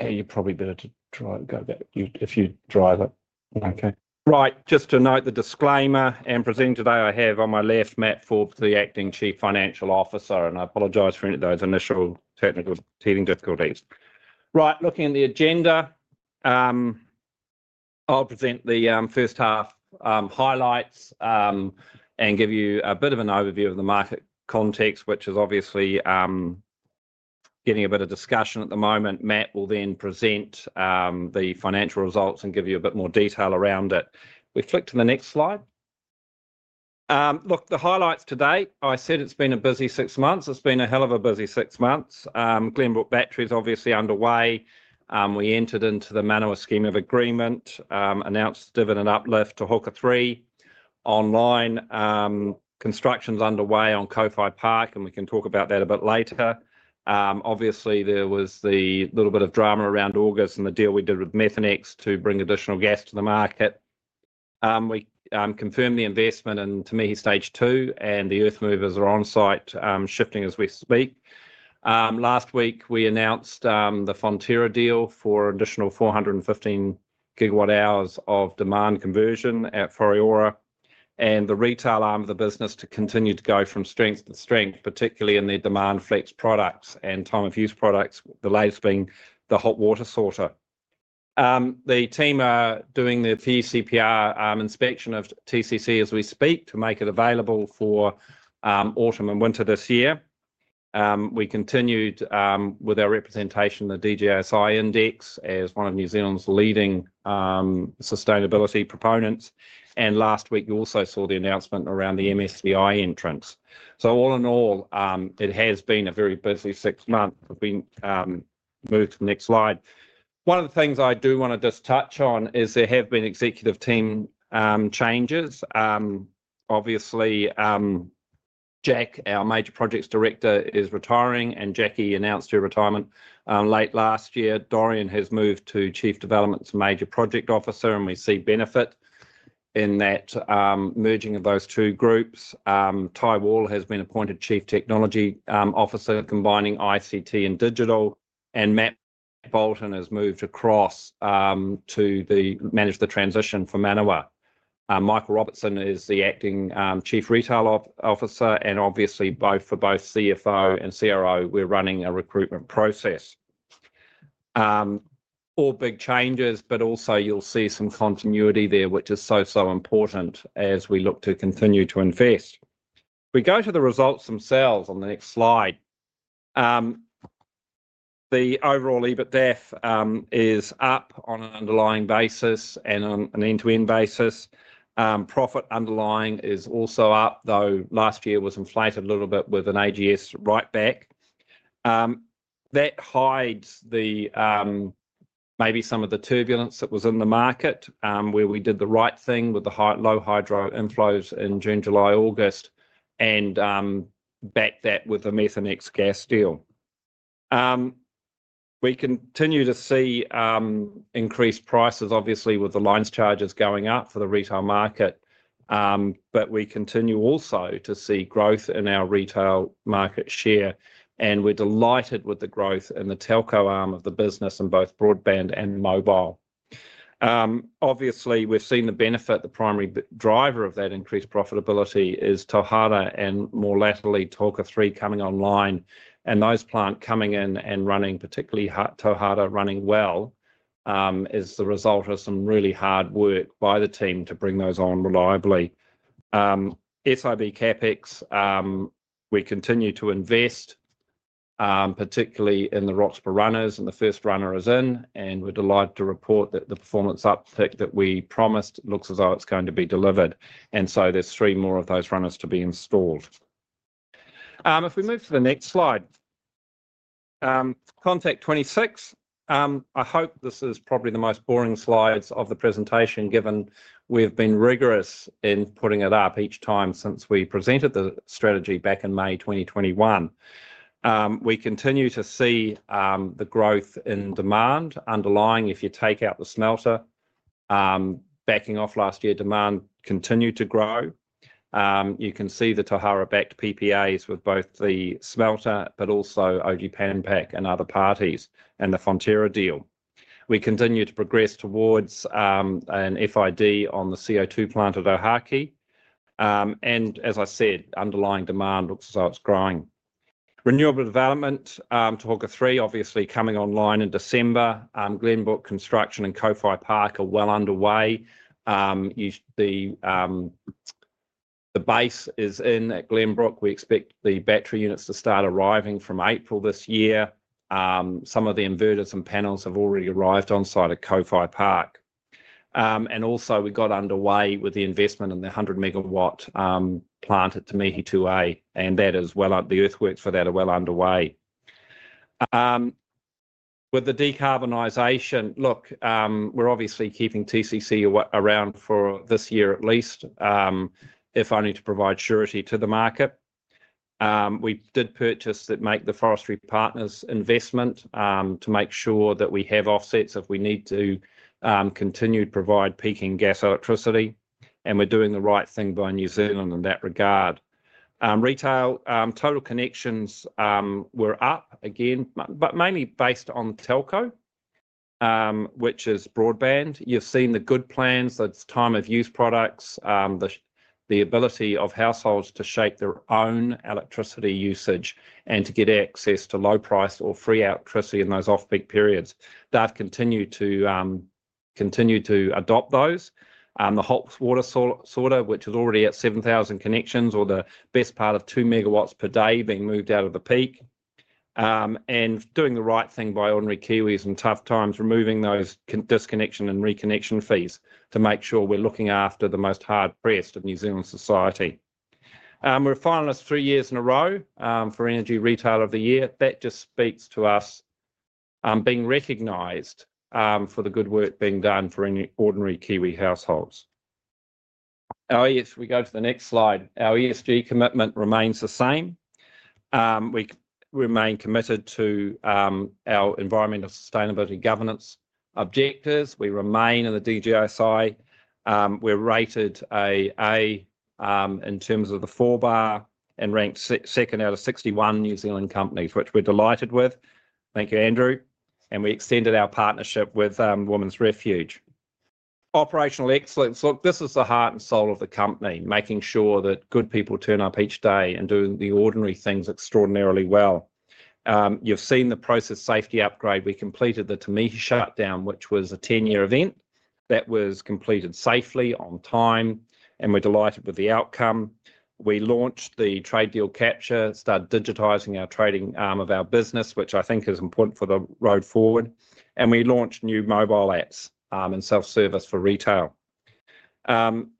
Hey, you're probably better to try and go back if you'd rather. Okay. Right. Just to note the disclaimer and presenter today, I have on my left, Matt Forbes, the Acting Chief Financial Officer, and I apologize for any of those initial technical teething difficulties. Right, looking at the agenda, I'll present the first half highlights and give you a bit of an overview of the market context, which is obviously getting a bit of discussion at the moment. Matt will then present the financial results and give you a bit more detail around it. If we flick to the next slide. Look, the highlights today, I said it's been a busy six months. It's been a hell of a busy six months. Glenbrook Battery is obviously underway. We entered into the Manawa Scheme of Agreement, announced dividend uplift to Te Huka 3 online. Construction's underway on Kōwhai Park, and we can talk about that a bit later. Obviously, there was the little bit of drama around August and the deal we did with Methanex to bring additional gas to the market. We confirmed the investment in Te Mihi Stage 2, and the earth movers are on site shifting as we speak. Last week, we announced the Fonterra deal for additional 415 GWh of demand conversion at Whareroa, and the retail arm of the business to continue to go from strength to strength, particularly in the demand flex products and time-of-use products, the latest being the Hot Water Sorter. The team are doing their PCPR inspection of TCC as we speak to make it available for autumn and winter this year. We continued with our representation in the DJSI Index as one of New Zealand's leading sustainability proponents. Last week, you also saw the announcement around the MSCI entrants. All in all, it has been a very busy six months. If we move to the next slide. One of the things I do want to just touch on is there have been executive team changes. Obviously, Jack, our Major Projects Director, is retiring, and Jacqui announced her retirement late last year. Dorian has moved to Chief Development's Major Project Officer, and we see benefit in that merging of those two groups. Tighe Wall has been appointed Chief Technology Officer, combining ICT and digital, and Matt Bolton has moved across to manage the transition for Manawa. Michael Robertson is the Acting Chief Retail Officer, and obviously, both for both CFO and CRO, we're running a recruitment process. All big changes, but also you'll see some continuity there, which is so, so important as we look to continue to invest. If we go to the results themselves on the next slide, the overall EBITDA is up on an underlying basis and on an end-to-end basis. Underlying profit is also up, though last year was inflated a little bit with an AGS write-back. That hides maybe some of the turbulence that was in the market where we did the right thing with the low hydro inflows in June, July, August, and backed that with the Methanex gas deal. We continue to see increased prices, obviously, with the lines charges going up for the retail market, but we continue also to see growth in our retail market share, and we're delighted with the growth in the telco arm of the business in both broadband and mobile. Obviously, we've seen the benefit. The primary driver of that increased profitability is Tauhara and more laterally, Te Huka 3 coming online, and those plants coming in and running, particularly Tauhara, running well as the result of some really hard work by the team to bring those on reliably. SIB CapEx, we continue to invest, particularly in the Roxburgh runners, and the first runner is in, and we're delighted to report that the performance uptick that we promised looks as though it's going to be delivered. And so there's three more of those runners to be installed. If we move to the next slide, Contact26. I hope this is probably the most boring slides of the presentation given we've been rigorous in putting it up each time since we presented the strategy back in May 2021. We continue to see the growth in demand underlying. If you take out the smelter, backing off last year, demand continued to grow. You can see the Tauhara-backed PPAs with both the smelter, but also Oji, Pan Pac and other parties and the Fonterra deal. We continue to progress towards an FID on the CO2 plant at Ohaaki. And as I said, underlying demand looks as though it's growing. Renewable development, Te Huka 3, obviously coming online in December. Glenbrook construction and Kōwhai Park are well underway. The BESS is in Glenbrook. We expect the battery units to start arriving from April this year. Some of the inverters and panels have already arrived on site at Kōwhai Park. And also, we got underway with the investment in the 100 MW plant at Te Mihi 2A, and that is well up. The earthworks for that are well underway. With the decarbonization, look, we're obviously keeping TCC around for this year at least, if only to provide surety to the market. We did purchase that to make the Forestry Partners investment to make sure that we have offsets if we need to continue to provide peaking gas electricity, and we're doing the right thing by New Zealand in that regard. Retail total connections were up again, but mainly based on telco, which is broadband. You've seen the Good Plans, the time-of-use products, the ability of households to shape their own electricity usage and to get access to low-price or free electricity in those off-peak periods. We've continued to adopt those. The Hot Water Sorter, which is already at 7,000 connections, or the best part of two megawatts per day being moved out of the peak, and doing the right thing by ordinary Kiwis in tough times, removing those disconnection and reconnection fees to make sure we're looking after the most hard-pressed of New Zealand society. We're finalists three years in a row for Energy Retailer of the Year. That just speaks to us being recognized for the good work being done for ordinary Kiwi households. Our ESG, if we go to the next slide, our ESG commitment remains the same. We remain committed to our environmental sustainability governance objectives. We remain in the DJSI. We're rated an A in terms of the four bar and ranked second out of 61 New Zealand companies, which we're delighted with. Thank you, Andrew. And we extended our partnership with Women's Refuge. Operational excellence. Look, this is the heart and soul of the company, making sure that good people turn up each day and do the ordinary things extraordinarily well. You've seen the process safety upgrade. We completed the Te Mihi shutdown, which was a 10-year event that was completed safely on time, and we're delighted with the outcome. We launched the trade deal capture, started digitizing our trading arm of our business, which I think is important for the road forward, and we launched new mobile apps and self-service for retail.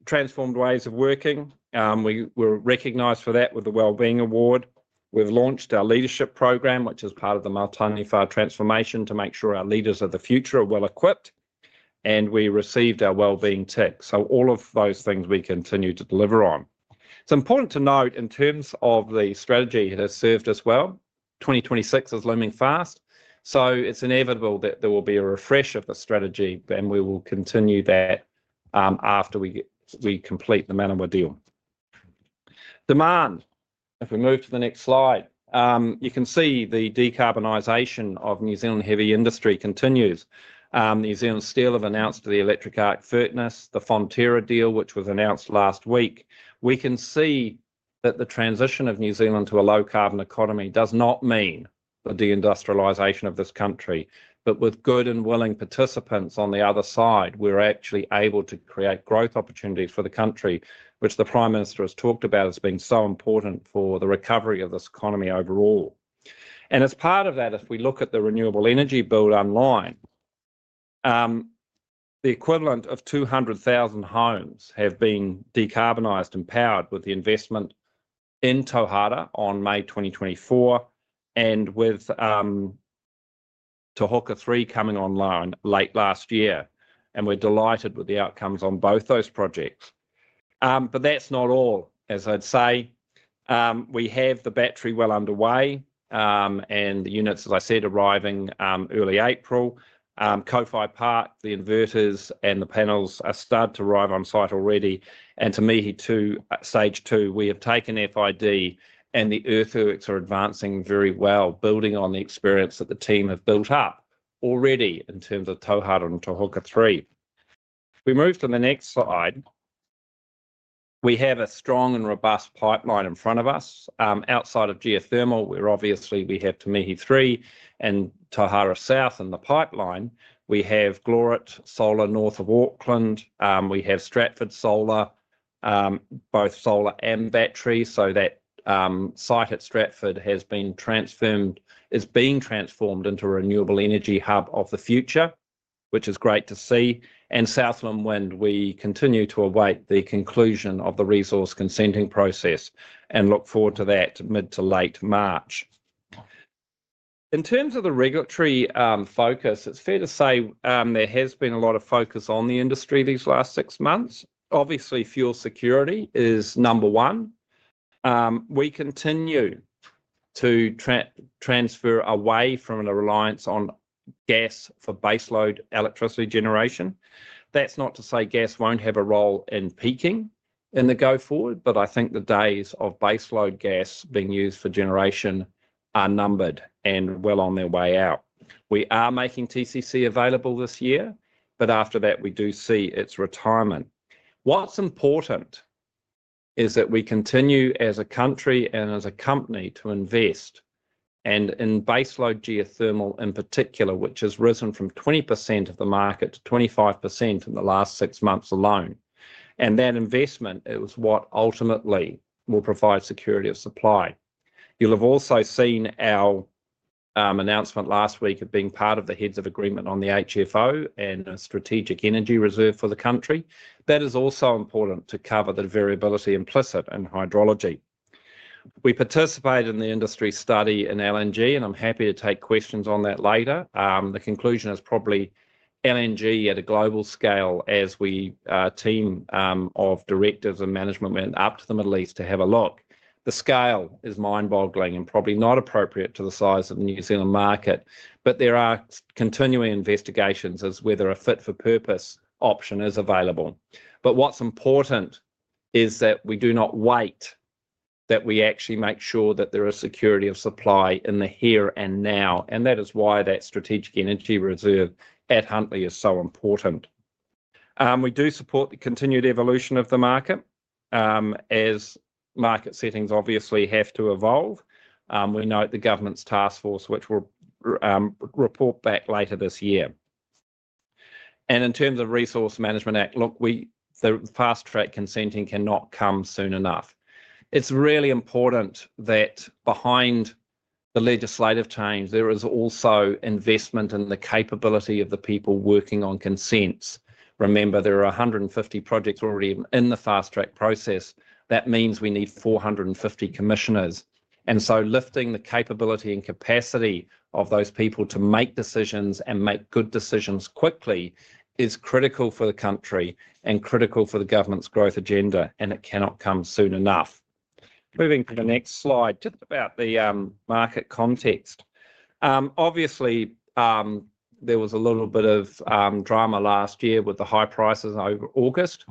Transformed ways of working. We were recognized for that with the Wellbeing Award. We've launched our leadership program, which is part of the Mātāhuna transformation to make sure our leaders of the future are well equipped, and we received our Wellbeing Tick, so all of those things we continue to deliver on. It's important to note in terms of the strategy that has served us well. 2026 is looming fast, so it's inevitable that there will be a refresh of the strategy, and we will continue that after we complete the Manawa deal. Demand. If we move to the next slide, you can see the decarbonization of New Zealand heavy industry continues. New Zealand Steel have announced the electric arc furnace, the Fonterra deal, which was announced last week. We can see that the transition of New Zealand to a low carbon economy does not mean the deindustrialization of this country, but with good and willing participants on the other side, we're actually able to create growth opportunities for the country, which the Prime Minister has talked about as being so important for the recovery of this economy overall. As part of that, if we look at the renewable energy bill online, the equivalent of 200,000 homes have been decarbonized and powered with the investment in Tauhara on May 2024 and with Te Huka 3 coming online late last year. We're delighted with the outcomes on both those projects. That's not all, as I'd say. We have the battery well underway and the units, as I said, arriving early April. Kōwhai Park, the inverters and the panels are starting to arrive on site already. Te Mihi 2, Stage 2, we have taken FID and the earthworks are advancing very well, building on the experience that the team have built up already in terms of Tauhara and Te Huka 3. If we move to the next slide, we have a strong and robust pipeline in front of us. Outside of geothermal, we obviously have Te Mihi 3 and Tauhara South in the pipeline. We have Glorit Solar north of Auckland. We have Stratford Solar, both solar and battery, so that site at Stratford has been transformed, is being transformed into a renewable energy hub of the future, which is great to see, and Southland Wind, we continue to await the conclusion of the resource consenting process and look forward to that mid to late March. In terms of the regulatory focus, it's fair to say there has been a lot of focus on the industry these last six months. Obviously, fuel security is number one. We continue to transfer away from a reliance on gas for baseload electricity generation. That's not to say gas won't have a role in peaking in the go forward, but I think the days of baseload gas being used for generation are numbered and well on their way out. We are making TCC available this year, but after that, we do see its retirement. What's important is that we continue as a country and as a company to invest and in baseload geothermal in particular, which has risen from 20% of the market to 25% in the last six months alone. And that investment is what ultimately will provide security of supply. You'll have also seen our announcement last week of being part of the heads of agreement on the HFO and a strategic energy reserve for the country. That is also important to cover the variability implicit in hydrology. We participate in the industry study in LNG, and I'm happy to take questions on that later. The conclusion is probably LNG at a global scale as our team of directors and management went up to the Middle East to have a look. The scale is mind-boggling and probably not appropriate to the size of the New Zealand market, but there are continuing investigations as to whether a fit-for-purpose option is available. But what's important is that we do not wait, that we actually make sure that there is security of supply in the here and now, and that is why that strategic energy reserve at Huntly is so important. We do support the continued evolution of the market as market settings obviously have to evolve. We note the government's task force, which will report back later this year. In terms of Resource Management Act, look, the fast track consenting cannot come soon enough. It's really important that behind the legislative change, there is also investment in the capability of the people working on consents. Remember, there are 150 projects already in the fast track process. That means we need 450 commissioners. And so lifting the capability and capacity of those people to make decisions and make good decisions quickly is critical for the country and critical for the government's growth agenda, and it cannot come soon enough. Moving to the next slide, just about the market context. Obviously, there was a little bit of drama last year with the high prices over August,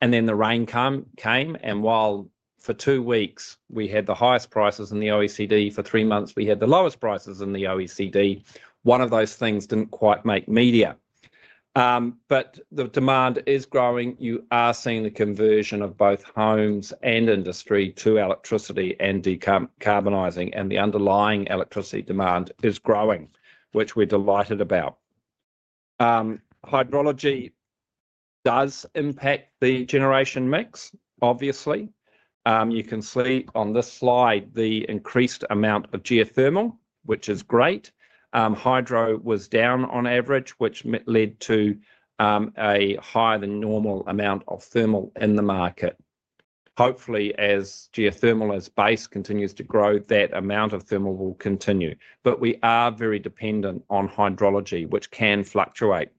and then the rain came. And while for two weeks we had the highest prices in the OECD, for three months we had the lowest prices in the OECD, one of those things didn't quite make media. But the demand is growing. You are seeing the conversion of both homes and industry to electricity and decarbonising, and the underlying electricity demand is growing, which we're delighted about. Hydrology does impact the generation mix, obviously. You can see on this slide the increased amount of geothermal, which is great. Hydro was down on average, which led to a higher than normal amount of thermal in the market. Hopefully, as geothermal base continues to grow, that amount of thermal will continue. But we are very dependent on hydrology, which can fluctuate.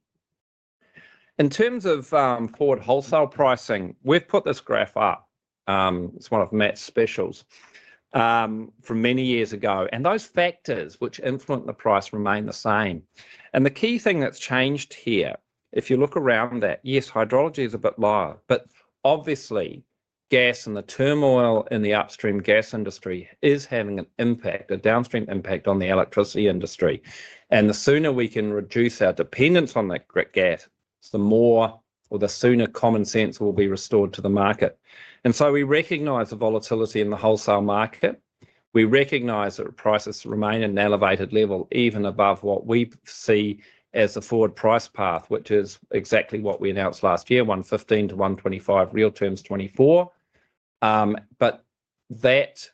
In terms of forward wholesale pricing, we've put this graph up. It's one of Matt's specials from many years ago. Those factors which influence the price remain the same. The key thing that's changed here, if you look around that, yes, hydrology is a bit lower, but obviously gas and the turmoil in the upstream gas industry is having an impact, a downstream impact on the electricity industry. The sooner we can reduce our dependence on that gas, the more or the sooner common sense will be restored to the market. So we recognise the volatility in the wholesale market. We recognise that prices remain at an elevated level, even above what we see as the forward price path, which is exactly what we announced last year, 115 to 125, real terms 2024. That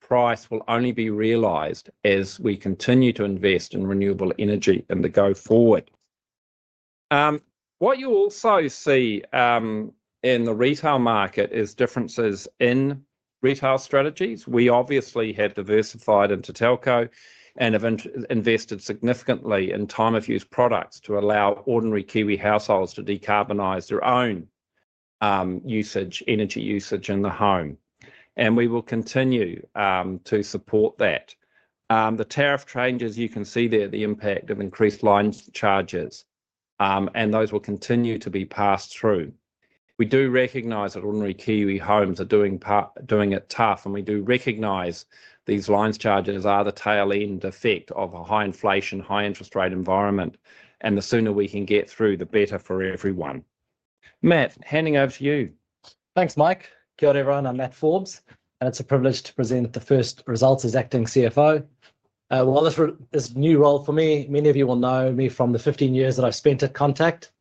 price will only be realised as we continue to invest in renewable energy in the go forward. What you also see in the retail market is differences in retail strategies. We obviously have diversified into telco and have invested significantly in time-of-use products to allow ordinary Kiwi households to decarbonize their own energy usage in the home. We will continue to support that. The tariff changes, you can see there, the impact of increased line charges, and those will continue to be passed through. We do recognize that ordinary Kiwi homes are doing it tough, and we do recognize these line charges are the tail end effect of a high inflation, high interest rate environment. The sooner we can get through, the better for everyone. Matt, handing over to you. Thanks, Mike. Great, everyone. I'm Matt Forbes, and it's a privilege to present the first results as acting CFO. While this is a new role for me, many of you will know me from the 15 years that I've spent at Contact,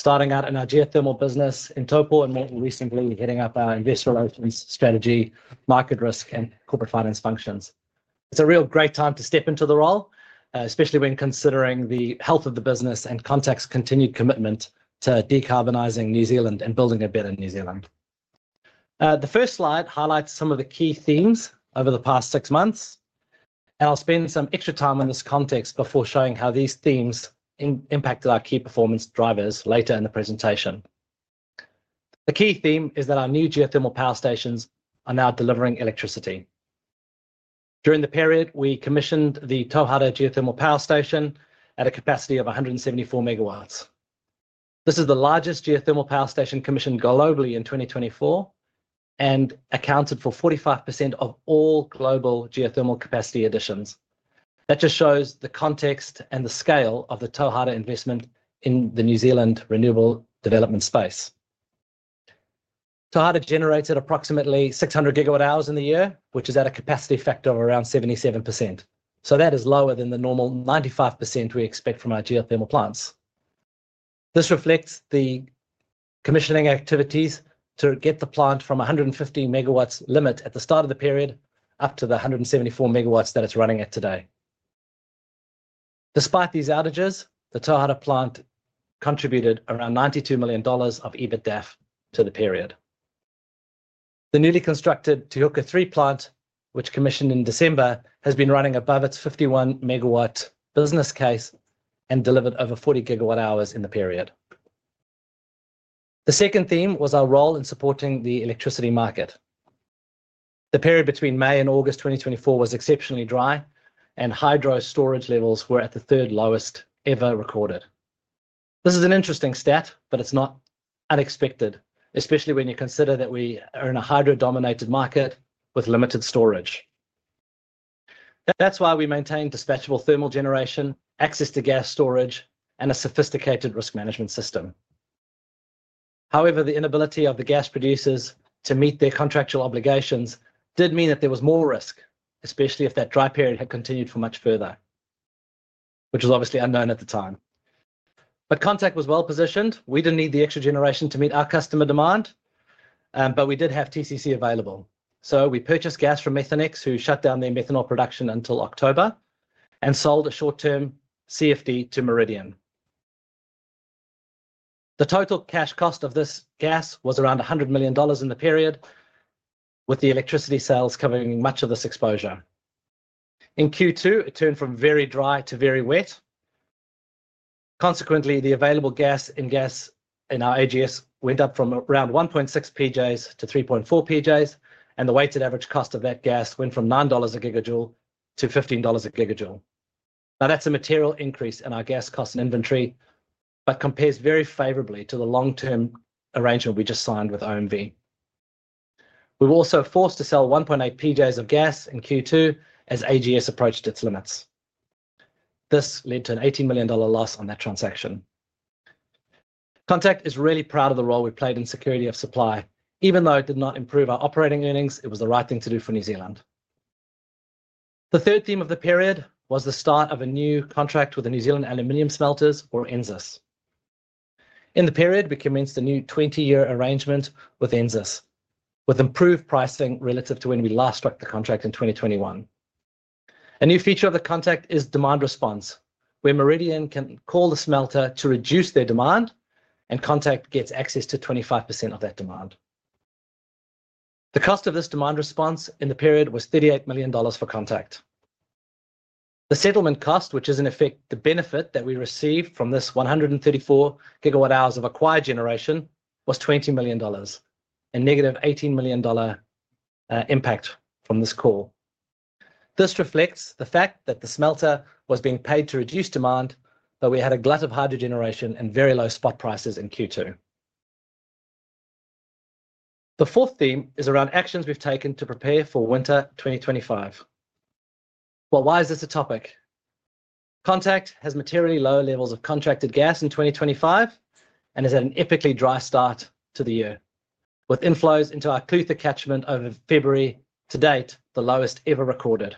starting out in our geothermal business in Taupō and more recently heading up our investor relations strategy, market risk, and corporate finance functions. It's a real great time to step into the role, especially when considering the health of the business and Contact's continued commitment to decarbonizing New Zealand and building a better New Zealand. The first slide highlights some of the key themes over the past six months, and I'll spend some extra time on this context before showing how these themes impacted our key performance drivers later in the presentation. The key theme is that our new geothermal power stations are now delivering electricity. During the period, we commissioned the Tauhara geothermal power station at a capacity of 174 megawatts. This is the largest geothermal power station commissioned globally in 2024 and accounted for 45% of all global geothermal capacity additions. That just shows the context and the scale of the Tauhara investment in the New Zealand renewable development space. Tauhara generated approximately 600 GWh in the year, which is at a capacity factor of around 77%. So that is lower than the normal 95% we expect from our geothermal plants. This reflects the commissioning activities to get the plant from 150 MW limit at the start of the period up to the 174 MW that it's running at today. Despite these outages, the Tauhara plant contributed around 92 million dollars of EBITDA to the period. The newly constructed Te Huka 3 plant, which commissioned in December, has been running above its 51 MW business case and delivered over 40 GWh in the period. The second theme was our role in supporting the electricity market. The period between May and August 2024 was exceptionally dry, and hydro storage levels were at the third lowest ever recorded. This is an interesting stat, but it's not unexpected, especially when you consider that we are in a hydro-dominated market with limited storage. That's why we maintained dispatchable thermal generation, access to gas storage, and a sophisticated risk management system. However, the inability of the gas producers to meet their contractual obligations did mean that there was more risk, especially if that dry period had continued for much further, which was obviously unknown at the time. But Contact was well positioned. We didn't need the extra generation to meet our customer demand, but we did have TCC available. So we purchased gas from Methanex, who shut down their methanol production until October and sold a short-term CFD to Meridian. The total cash cost of this gas was around 100 million dollars in the period, with the electricity sales covering much of this exposure. In Q2, it turned from very dry to very wet. Consequently, the available gas in our AGS went up from around 1.6 pJ to 3.4 pJ, and the weighted average cost of that gas went from 9 dollars a gigajoule to 15 dollars a gigajoule. Now, that's a material increase in our gas cost and inventory, but compares very favorably to the long-term arrangement we just signed with OMV. We were also forced to sell 1.8 pJ of gas in Q2 as AGS approached its limits. This led to an 18 million dollar loss on that transaction. Contact is really proud of the role we played in security of supply. Even though it did not improve our operating earnings, it was the right thing to do for New Zealand. The third theme of the period was the start of a new contract with the New Zealand Aluminium Smelters, or NZAS. In the period, we commenced a new 20-year arrangement with NZAS, with improved pricing relative to when we last struck the contract in 2021. A new feature of the contract is demand response, where Meridian can call the smelter to reduce their demand, and Contact gets access to 25% of that demand. The cost of this demand response in the period was 38 million dollars for Contact. The settlement cost, which is in effect the benefit that we received from this 134 GWh of acquired generation, was 20 million dollars and negative 18 million dollar impact from this call. This reflects the fact that the smelter was being paid to reduce demand, but we had a glut of hydro generation and very low spot prices in Q2. The fourth theme is around actions we've taken to prepare for winter 2025. Well, why is this a topic? Contact has materially low levels of contracted gas in 2025 and has had an epically dry start to the year, with inflows into our Clutha catchment over February to date, the lowest ever recorded.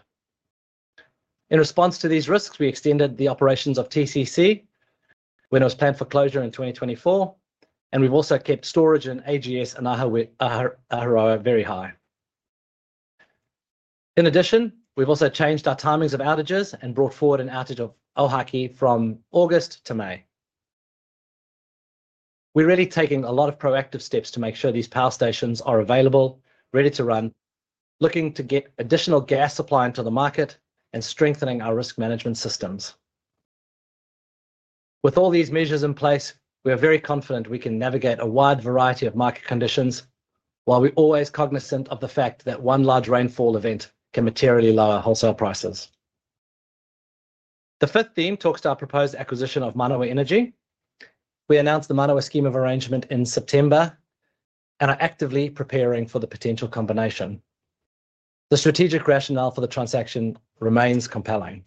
In response to these risks, we extended the operations of TCC when it was planned for closure in 2024, and we've also kept storage in AGS and Ahuroa very high. In addition, we've also changed our timings of outages and brought forward an outage of Ohaaki from August to May. We're really taking a lot of proactive steps to make sure these power stations are available, ready to run, looking to get additional gas supply into the market and strengthening our risk management systems. With all these measures in place, we are very confident we can navigate a wide variety of market conditions while we're always cognizant of the fact that one large rainfall event can materially lower wholesale prices. The fifth theme talks to our proposed acquisition of Manawa Energy. We announced the Manawa Scheme of Arrangement in September and are actively preparing for the potential combination. The strategic rationale for the transaction remains compelling.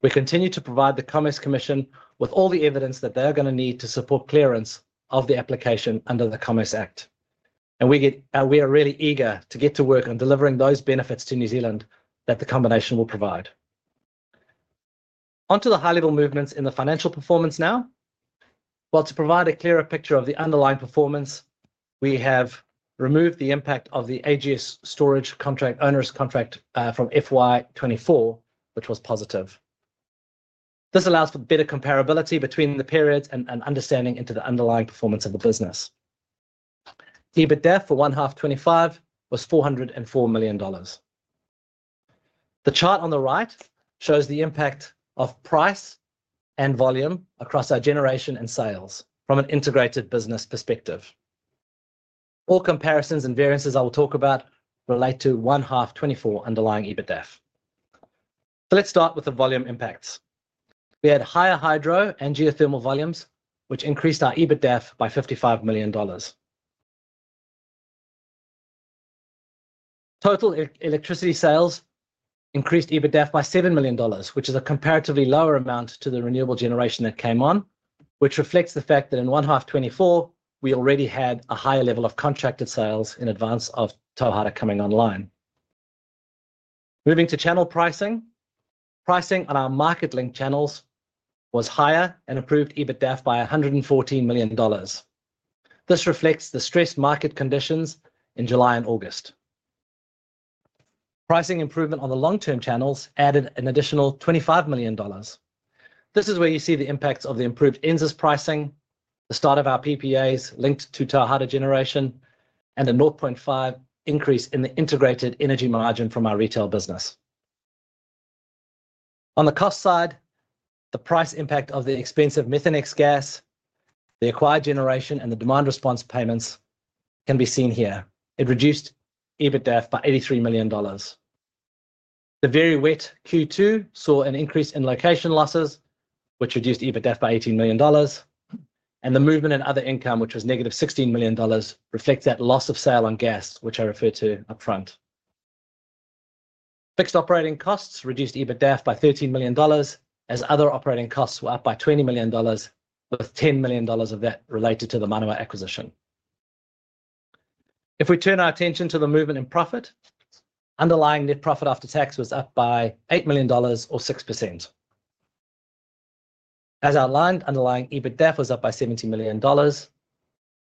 We continue to provide the Commerce Commission with all the evidence that they're going to need to support clearance of the application under the Commerce Act, and we are really eager to get to work on delivering those benefits to New Zealand that the combination will provide. Onto the high-level movements in the financial performance now. To provide a clearer picture of the underlying performance, we have removed the impact of the AGS storage contract owner's contract from FY24, which was positive. This allows for better comparability between the periods and understanding into the underlying performance of the business. EBITDA for H1 2025 was 404 million dollars. The chart on the right shows the impact of price and volume across our generation and sales from an integrated business perspective. All comparisons and variances I will talk about relate to H1 2024 underlying EBITDA. Let's start with the volume impacts. We had higher hydro and geothermal volumes, which increased our EBITDAF by 55 million dollars. Total electricity sales increased EBITDAF by 7 million dollars, which is a comparatively lower amount to the renewable generation that came on, which reflects the fact that in 1H24, we already had a higher level of contracted sales in advance of Tauhara coming online. Moving to channel pricing, pricing on our market linked channels was higher and improved EBITDAF by 114 million dollars. This reflects the stressed market conditions in July and August. Pricing improvement on the long-term channels added an additional 25 million dollars. This is where you see the impacts of the improved NZAS pricing, the start of our PPAs linked to Tauhara generation, and a 0.5 increase in the integrated energy margin from our retail business. On the cost side, the price impact of the expensive Methanex gas, the acquired generation, and the demand response payments can be seen here. It reduced EBITDAF by 83 million dollars. The very wet Q2 saw an increase in location losses, which reduced EBITDAF by 18 million dollars, and the movement in other income, which was negative 16 million dollars, reflects that loss of sale on gas, which I referred to upfront. Fixed operating costs reduced EBITDA by 13 million dollars, as other operating costs were up by 20 million dollars, with 10 million dollars of that related to the Manawa acquisition. If we turn our attention to the movement in profit, underlying net profit after tax was up by 8 million dollars or 6%. As outlined, underlying EBITDAF was up by 70 million dollars,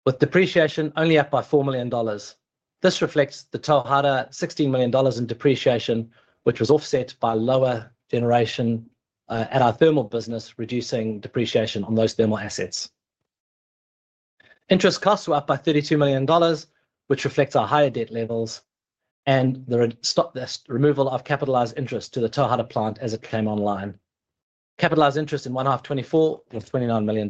with depreciation only up by 4 million dollars. This reflects the Tauhara $16 million in depreciation, which was offset by lower generation at our thermal business, reducing depreciation on those thermal assets. Interest costs were up by $32 million, which reflects our higher debt levels and the removal of capitalised interest to the Tauhara plant as it came online. Capitalised interest in 1H24 was $29 million.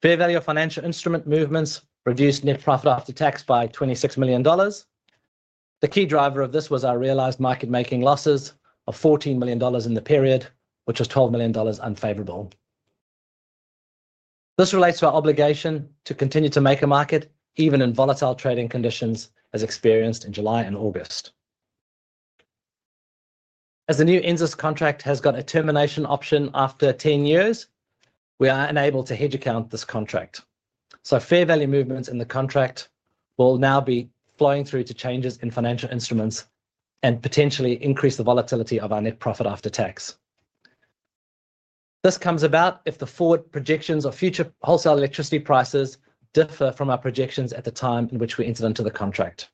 Fair value of financial instrument movements reduced net profit after tax by $26 million. The key driver of this was our realised market making losses of $14 million in the period, which was $12 million unfavourable. This relates to our obligation to continue to make a market even in volatile trading conditions, as experienced in July and August. As the new NZAS contract has got a termination option after 10 years, we are unable to hedge account this contract. So fair value movements in the contract will now be flowing through to changes in financial instruments and potentially increase the volatility of our net profit after tax. This comes about if the forward projections of future wholesale electricity prices differ from our projections at the time in which we entered into the contract.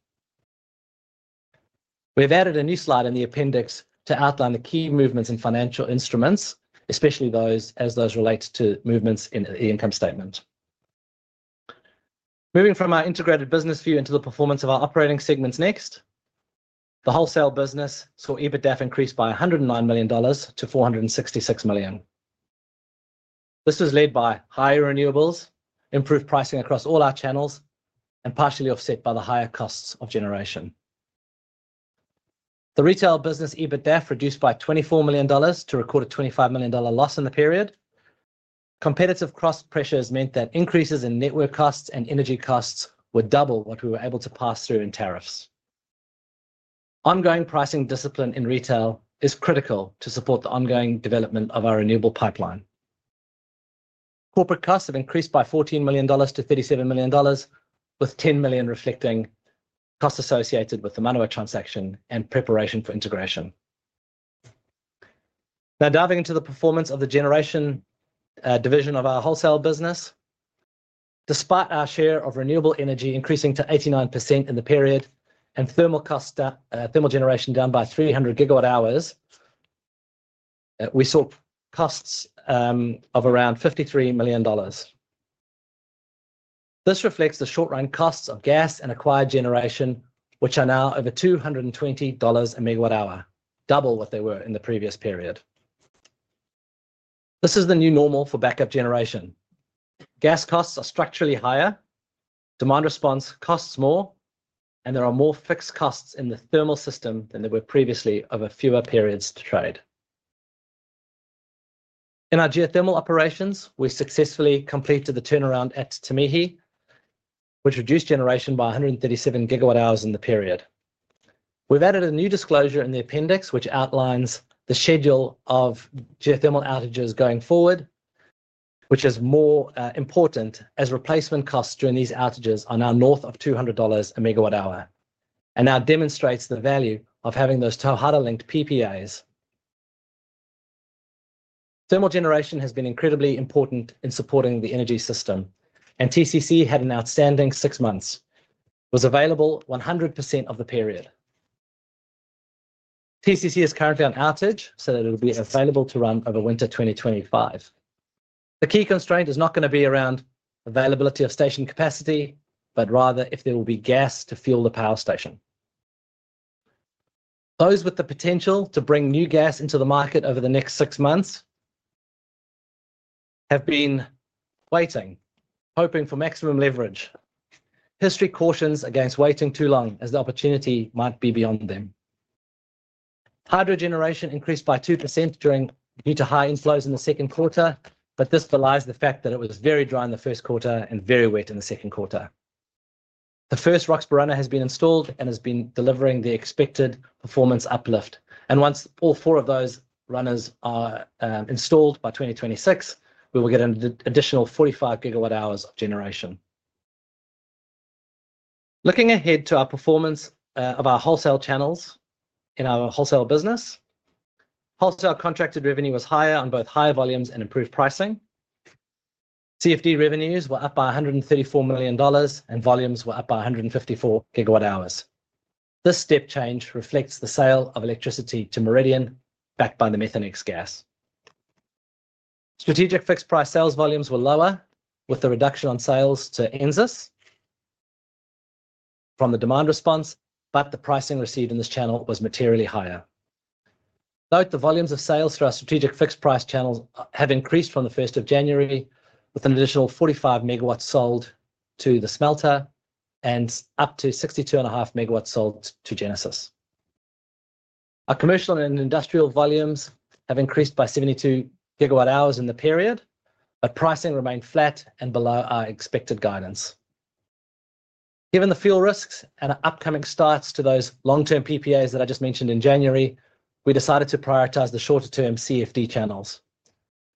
We've added a new slide in the appendix to outline the key movements in financial instruments, especially those as those relate to movements in the income statement. Moving from our integrated business view into the performance of our operating segments next, the wholesale business saw EBITDAF increased by $109 million to $466 million. This was led by higher renewables, improved pricing across all our channels, and partially offset by the higher costs of generation. The retail business EBITDAF reduced by $24 million to record a $25 million loss in the period. Competitive cost pressures meant that increases in network costs and energy costs were double what we were able to pass through in tariffs. Ongoing pricing discipline in retail is critical to support the ongoing development of our renewable pipeline. Corporate costs have increased by $14 million to $37 million, with $10 million reflecting costs associated with the Manawa transaction and preparation for integration. Now, diving into the performance of the generation division of our wholesale business, despite our share of renewable energy increasing to 89% in the period and thermal costs, thermal generation down by 300 GWh, we saw costs of around $53 million. This reflects the short-run costs of gas and acquired generation, which are now over $220 a MGh, double what they were in the previous period. This is the new normal for backup generation. Gas costs are structurally higher, demand response costs more, and there are more fixed costs in the thermal system than there were previously over fewer periods to trade. In our geothermal operations, we successfully completed the turnaround at Te Mihi, which reduced generation by 137 GWh in the period. We've added a new disclosure in the appendix, which outlines the schedule of geothermal outages going forward, which is more important as replacement costs during these outages are now north of $200 a megawatt hour and now demonstrates the value of having those Tauhara-linked PPAs. Thermal generation has been incredibly important in supporting the energy system, and TCC had an outstanding six months. It was available 100% of the period. TCC is currently on outage, so that it will be available to run over winter 2025. The key constraint is not going to be around availability of station capacity, but rather if there will be gas to fuel the power station. Those with the potential to bring new gas into the market over the next six months have been waiting, hoping for maximum leverage. History cautions against waiting too long, as the opportunity might be beyond them. Hydro generation increased by 2% due to high inflows in the second quarter, but this belies the fact that it was very dry in the first quarter and very wet in the second quarter. The first Roxburgh runner has been installed and has been delivering the expected performance uplift, and once all four of those runners are installed by 2026, we will get an additional 45 GWh of generation. Looking ahead to our performance of our wholesale channels in our wholesale business, wholesale contracted revenue was higher on both high volumes and improved pricing. CFD revenues were up by $134 million and volumes were up by 154 GWh. This step change reflects the sale of electricity to Meridian backed by the Methanex gas. Strategic fixed price sales volumes were lower with the reduction on sales to NZAS from the demand response, but the pricing received in this channel was materially higher. Note the volumes of sales for our strategic fixed price channels have increased from the 1st of January, with an additional 45 MW sold to the smelter and up to 62.5 MW sold to Genesis. Our commercial and industrial volumes have increased by 72 GWh in the period, but pricing remained flat and below our expected guidance. Given the fuel risks and upcoming starts to those long-term PPAs that I just mentioned in January, we decided to prioritize the shorter-term CFD channels,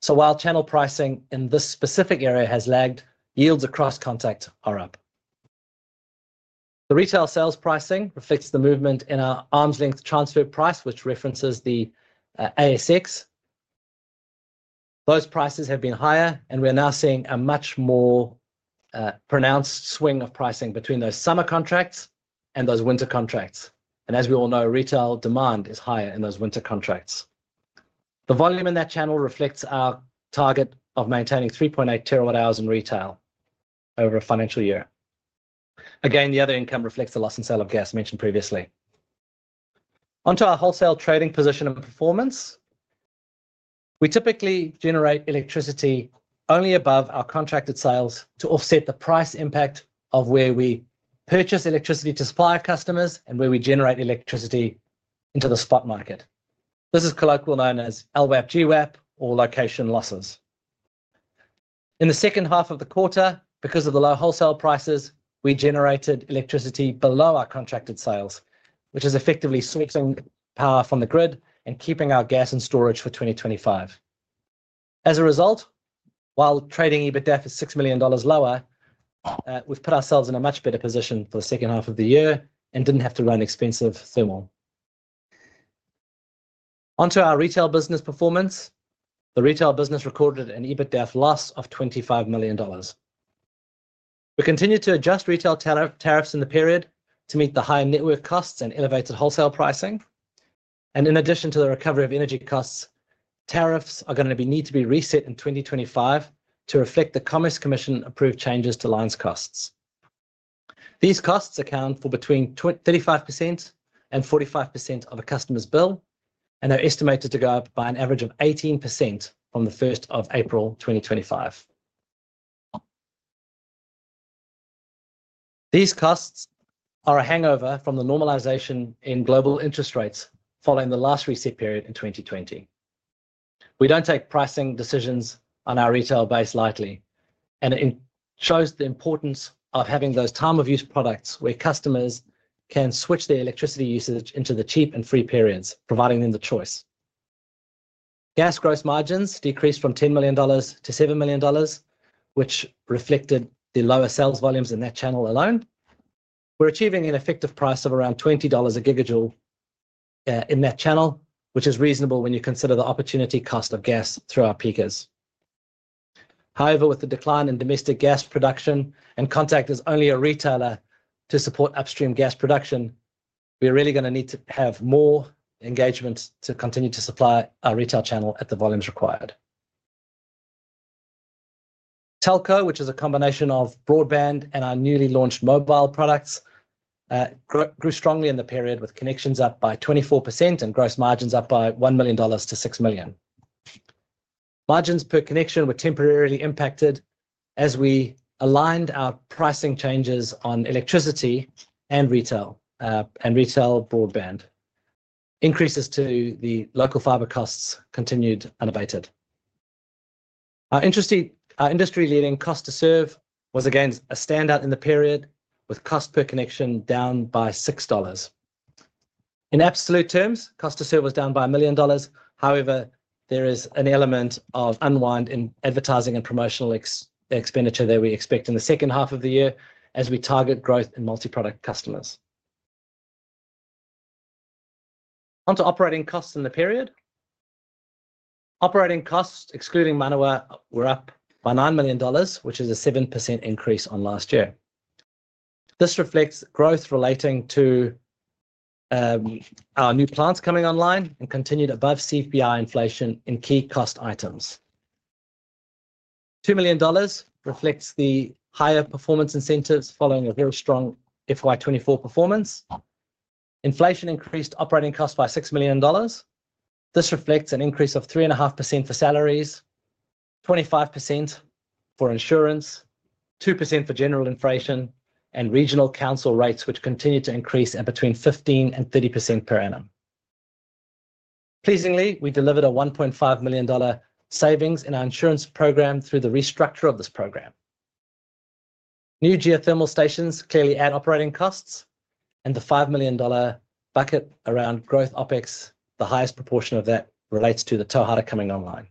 so while channel pricing in this specific area has lagged, yields across Contact are up. The retail sales pricing reflects the movement in our arm's length transfer price, which references the ASX. Those prices have been higher, and we are now seeing a much more pronounced swing of pricing between those summer contracts and those winter contracts, and as we all know, retail demand is higher in those winter contracts. The volume in that channel reflects our target of maintaining 3.8 TWh in retail over a financial year. Again, the other income reflects the loss and sale of gas mentioned previously. On to our wholesale trading position and performance. We typically generate electricity only above our contracted sales to offset the price impact of where we purchase electricity to supply customers and where we generate electricity into the spot market. This is colloquially known as LWAP GWAP or location losses. In the second half of the quarter, because of the low wholesale prices, we generated electricity below our contracted sales, which is effectively sourcing power from the grid and keeping our gas in storage for 2025. As a result, while trading EBITDAF is $6 million lower, we've put ourselves in a much better position for the second half of the year and didn't have to run expensive thermal. Onto our retail business performance. The retail business recorded an EBITDAF loss of $25 million. We continue to adjust retail tariffs in the period to meet the high network costs and elevated wholesale pricing. In addition to the recovery of energy costs, tariffs are going to need to be reset in 2025 to reflect the Commerce Commission approved changes to lines costs. These costs account for between 35% and 45% of a customer's bill and are estimated to go up by an average of 18% from the 1st of April 2025. These costs are a hangover from the normalisation in global interest rates following the last reset period in 2020. We don't take pricing decisions on our retail base lightly, and it shows the importance of having those time-of-use products where customers can switch their electricity usage into the cheap and free periods, providing them the choice. Gas gross margins decreased from 10 million dollars to 7 million dollars, which reflected the lower sales volumes in that channel alone. We're achieving an effective price of around $20 a gigajoule in that channel, which is reasonable when you consider the opportunity cost of gas through our peakers. However, with the decline in domestic gas production and Contact as only a retailer to support upstream gas production, we are really going to need to have more engagement to continue to supply our retail channel at the volumes required. Telco, which is a combination of broadband and our newly launched mobile products, grew strongly in the period, with connections up by 24% and gross margins up by $1 million to $6 million. Margins per connection were temporarily impacted as we aligned our pricing changes on electricity and retail and retail broadband. Increases to the local fiber costs continued unabated. Our industry-leading cost-to-serve was again a standout in the period, with cost per connection down by $6. In absolute terms, cost-to-serve was down by 1 million dollars. However, there is an element of unwind in advertising and promotional expenditure that we expect in the second half of the year as we target growth in multi-product customers. Onto operating costs in the period. Operating costs, excluding Manawa, were up by 9 million dollars, which is a 7% increase on last year. This reflects growth relating to our new plants coming online and continued above CPI inflation in key cost items. 2 million dollars reflects the higher performance incentives following a very strong FY24 performance. Inflation increased operating costs by 6 million dollars. This reflects an increase of 3.5% for salaries, 25% for insurance, 2% for general inflation, and regional council rates, which continue to increase at between 15% and 30% per annum. Pleasingly, we delivered a 1.5 million dollar savings in our insurance program through the restructure of this program. New geothermal stations clearly add operating costs, and the 5 million dollar bucket around growth OPEX, the highest proportion of that relates to the Tauhara coming online.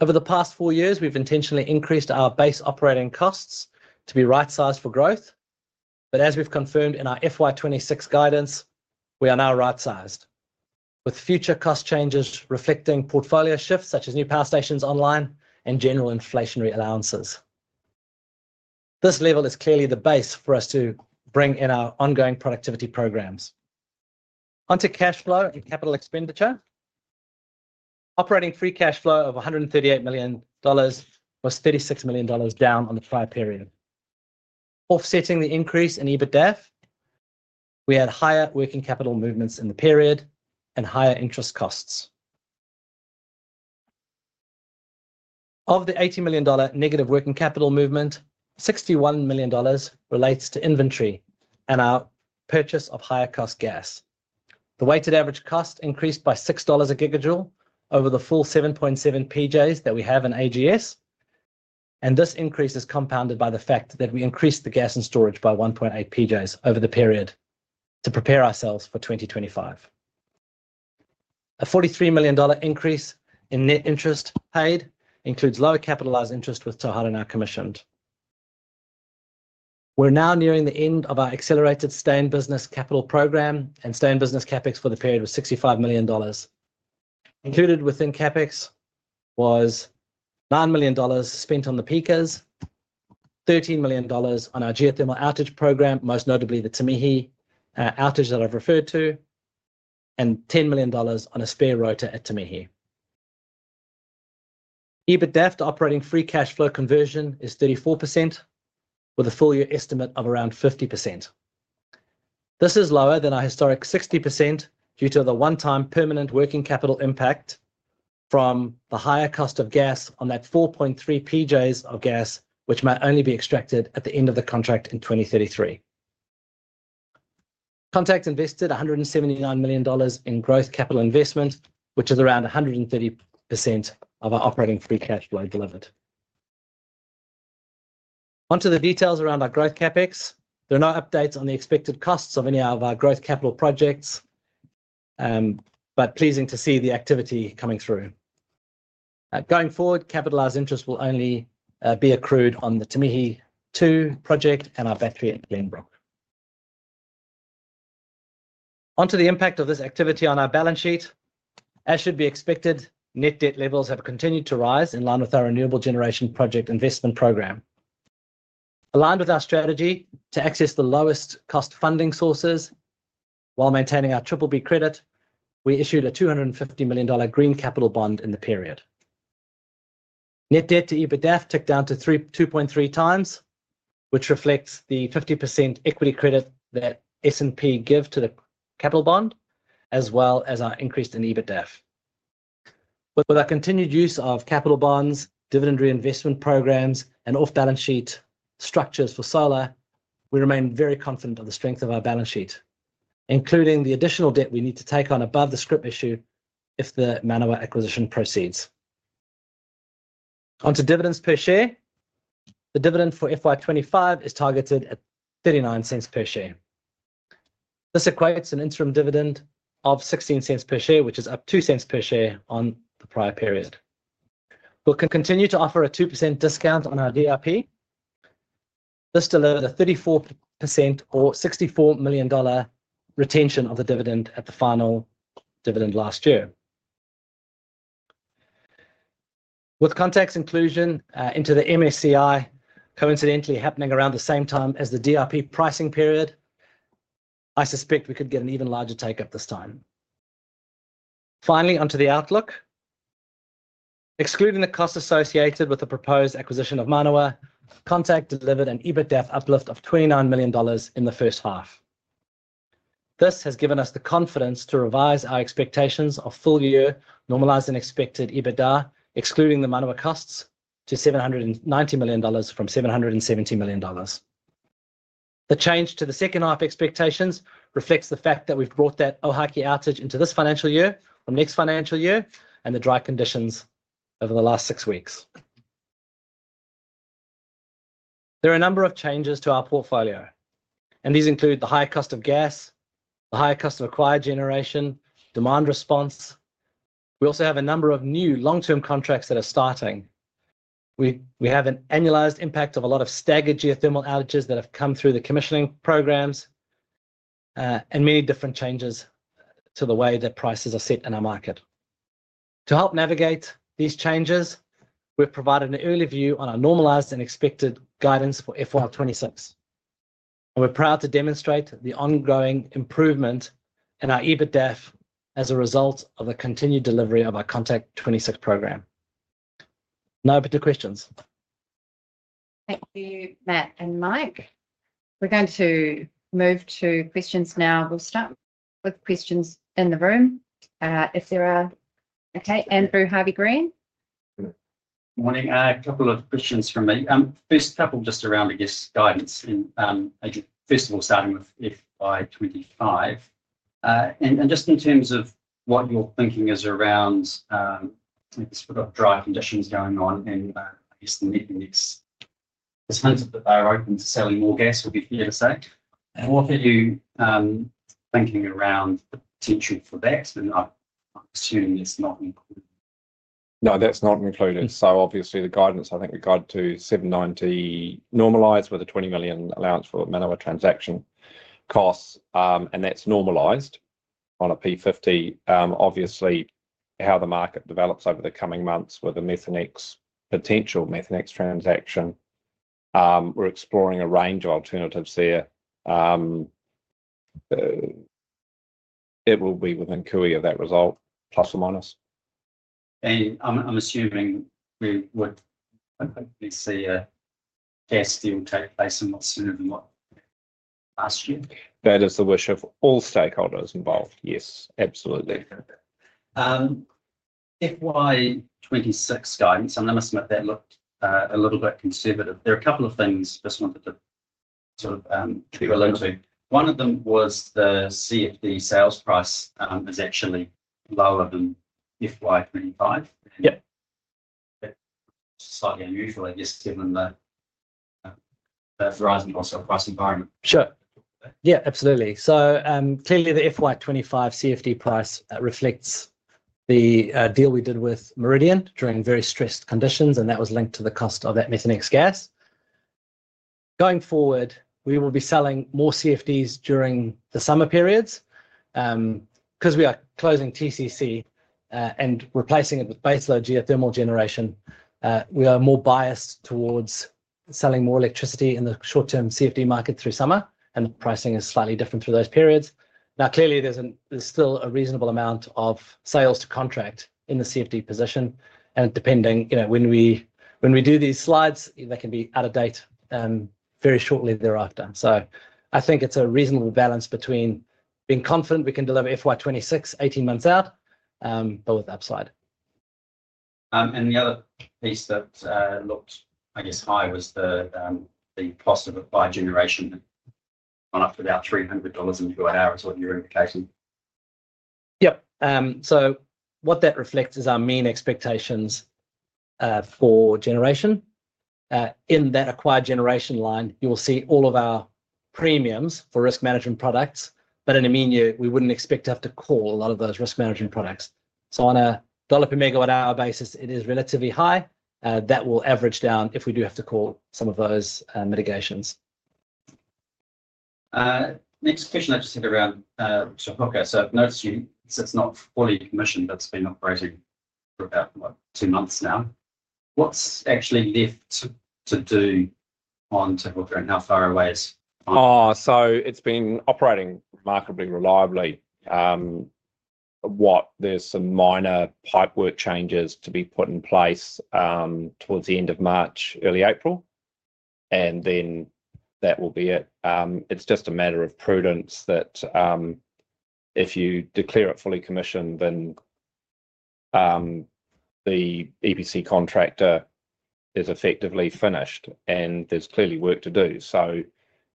Over the past four years, we've intentionally increased our base operating costs to be right-sized for growth, but as we've confirmed in our FY26 guidance, we are now right-sized, with future cost changes reflecting portfolio shifts such as new power stations online and general inflationary allowances. This level is clearly the base for us to bring in our ongoing productivity programs. On to cash flow and capital expenditure. Operating free cash flow of 138 million dollars was 36 million dollars down on the prior period. Offsetting the increase in EBITDAF, we had higher working capital movements in the period and higher interest costs. Of the 80 million dollar negative working capital movement, 61 million dollars relates to inventory and our purchase of higher-cost gas. The weighted average cost increased by $6 a gigajoule over the full 7.7 pJs that we have in AGS, and this increase is compounded by the fact that we increased the gas in storage by 1.8 pJs over the period to prepare ourselves for 2025. A $43 million increase in net interest paid includes lower capitalized interest with Tauhara now commissioned. We're now nearing the end of our accelerated stay-in-business capital program and stay-in-business CapEx for the period was $65 million. Included within CapEx was $9 million spent on the peakers, $13 million on our geothermal outage program, most notably the Te Mihi outage that I've referred to, and $10 million on a spare rotor at Te Mihi. EBITDAF operating free cash flow conversion is 34%, with a full-year estimate of around 50%. This is lower than our historic 60% due to the one-time permanent working capital impact from the higher cost of gas on that 4.3 pJs of gas, which might only be extracted at the end of the contract in 2033. Contact invested 179 million dollars in growth capital investment, which is around 130% of our operating free cash flow delivered. Onto the details around our growth CapEx. There are no updates on the expected costs of any of our growth capital projects, but pleasing to see the activity coming through. Going forward, capitalize interest will only be accrued on the Te Mihi 2 project and our battery at Glenbrook. Onto the impact of this activity on our balance sheet. As should be expected, net debt levels have continued to rise in line with our renewable generation project investment program. Aligned with our strategy to access the lowest cost funding sources while maintaining our BBB credit, we issued a $250 million Green Capital Bond in the period. Net debt to EBITDAF ticked down to 2.3x, which reflects the 50% equity credit that S&P gives to the capital bond, as well as our increase in EBITDAF. With our continued use of capital bonds, dividend reinvestment programs, and off-balance sheet structures for solar, we remain very confident of the strength of our balance sheet, including the additional debt we need to take on above the scrip issue if the Manawa acquisition proceeds. Onto dividends per share. The dividend for FY25 is targeted at $0.39 per share. This equates to an interim dividend of $0.16 per share, which is up $0.02 per share on the prior period. We'll continue to offer a 2% discount on our DRP. This delivers a 34% or $64 million retention of the dividend at the final dividend last year. With Contact's inclusion into the MSCI coincidentally happening around the same time as the DRP pricing period, I suspect we could get an even larger take-up this time. Finally, onto the outlook. Excluding the cost associated with the proposed acquisition of Manawa, Contact delivered an EBITDAF uplift of $29 million in the first half. This has given us the confidence to revise our expectations of full-year normalised and expected EBITDAF, excluding the Manawa costs, to $790 million from $770 million. The change to the second half expectations reflects the fact that we've brought that Ohaaki outage into this financial year from next financial year and the dry conditions over the last six weeks. There are a number of changes to our portfolio, and these include the higher cost of gas, the higher cost of acquired generation, demand response. We also have a number of new long-term contracts that are starting. We have an annualized impact of a lot of staggered geothermal outages that have come through the commissioning programs and many different changes to the way that prices are set in our market. To help navigate these changes, we've provided an early view on our normalized and expected guidance for FY26. We're proud to demonstrate the ongoing improvement in our EBITDAF as a result of the continued delivery of our Contact26 program. Now for questions. Thank you, Matt and Mike. We're going to move to questions now. We'll start with questions in the room. If there are. Okay. Andrew Harvey-Green. Morning. A couple of questions from me. first couple just around, I guess, guidance. First of all, starting with FY25 and just in terms of what you're thinking is around dry conditions going on and I guess the net index. There's hints that they're open to selling more gas, would be fair to say. What are you thinking around the potential for that? And I'm assuming it's not included. No, that's not included. So obviously, the guidance, I think we've got to 790 normalized with a 20 million allowance for Manawa transaction costs, and that's normalized on a P50. Obviously, how the market develops over the coming months with the Methanex potential Methanex transaction, we're exploring a range of alternatives there. It will be within 10% of that result, plus or minus. And I'm assuming we would hopefully see a gas deal take place in what's sooner than what last year? That is the wish of all stakeholders involved. Yes, absolutely. FY26 guidance, I must admit that looked a little bit conservative. There are a couple of things I just wanted to sort of drill into. One of them was the CFD sales price is actually lower than FY25. Slightly unusual, I guess, given the rising cost of price environment. Sure. Yeah, absolutely. So clearly, the FY25 CFD price reflects the deal we did with Meridian during very stressed conditions, and that was linked to the cost of that Methanex gas. Going forward, we will be selling more CFDs during the summer periods. Because we are closing TCC and replacing it with baseload geothermal generation, we are more biased towards selling more electricity in the short-term CFD market through summer, and pricing is slightly different through those periods. Now, clearly, there's still a reasonable amount of sales to contract in the CFD position, and depending when we do these slides, they can be out of date very shortly thereafter. So I think it's a reasonable balance between being confident we can deliver FY26 18 months out, but with upside. And the other piece that looked, I guess, high was the cost of acquired generation went up to about $300 per MWh, is what you're indicating? Yep. So what that reflects is our mean expectations for generation. In that acquired generation line, you'll see all of our premiums for risk management products, but in a mean year, we wouldn't expect to have to call a lot of those risk management products. So on a dollar per megawatt hour basis, it is relatively high. That will average down if we do have to call some of those mitigations. Next question. I just have a round on Tauhara. So I've noticed you said it's not fully commissioned, but it's been operating for about two months now. What's actually left to do on Tauhara and how far away is it? Oh, so it's been operating remarkably reliably. There's some minor pipework changes to be put in place towards the end of March, early April, and then that will be it. It's just a matter of prudence that if you declare it fully commissioned, then the EPC contractor is effectively finished, and there's clearly work to do. So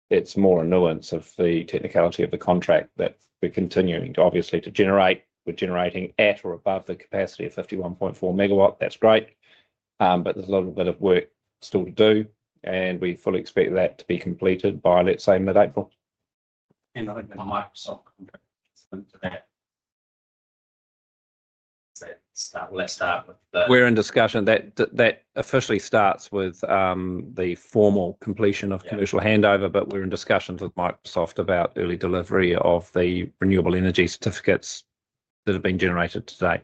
it's more a nuance of the technicality of the contract that we're continuing to, obviously, generate. We're generating at or above the capacity of 51.4 MW. That's great, but there's a little bit of work still to do, and we fully expect that to be completed by, let's say, mid-April. I think the Microsoft contract is linked to that. Will that start with the? We're in discussion. That officially starts with the formal completion of commercial handover, but we're in discussions with Microsoft about early delivery of the renewable energy certificates that have been generated today.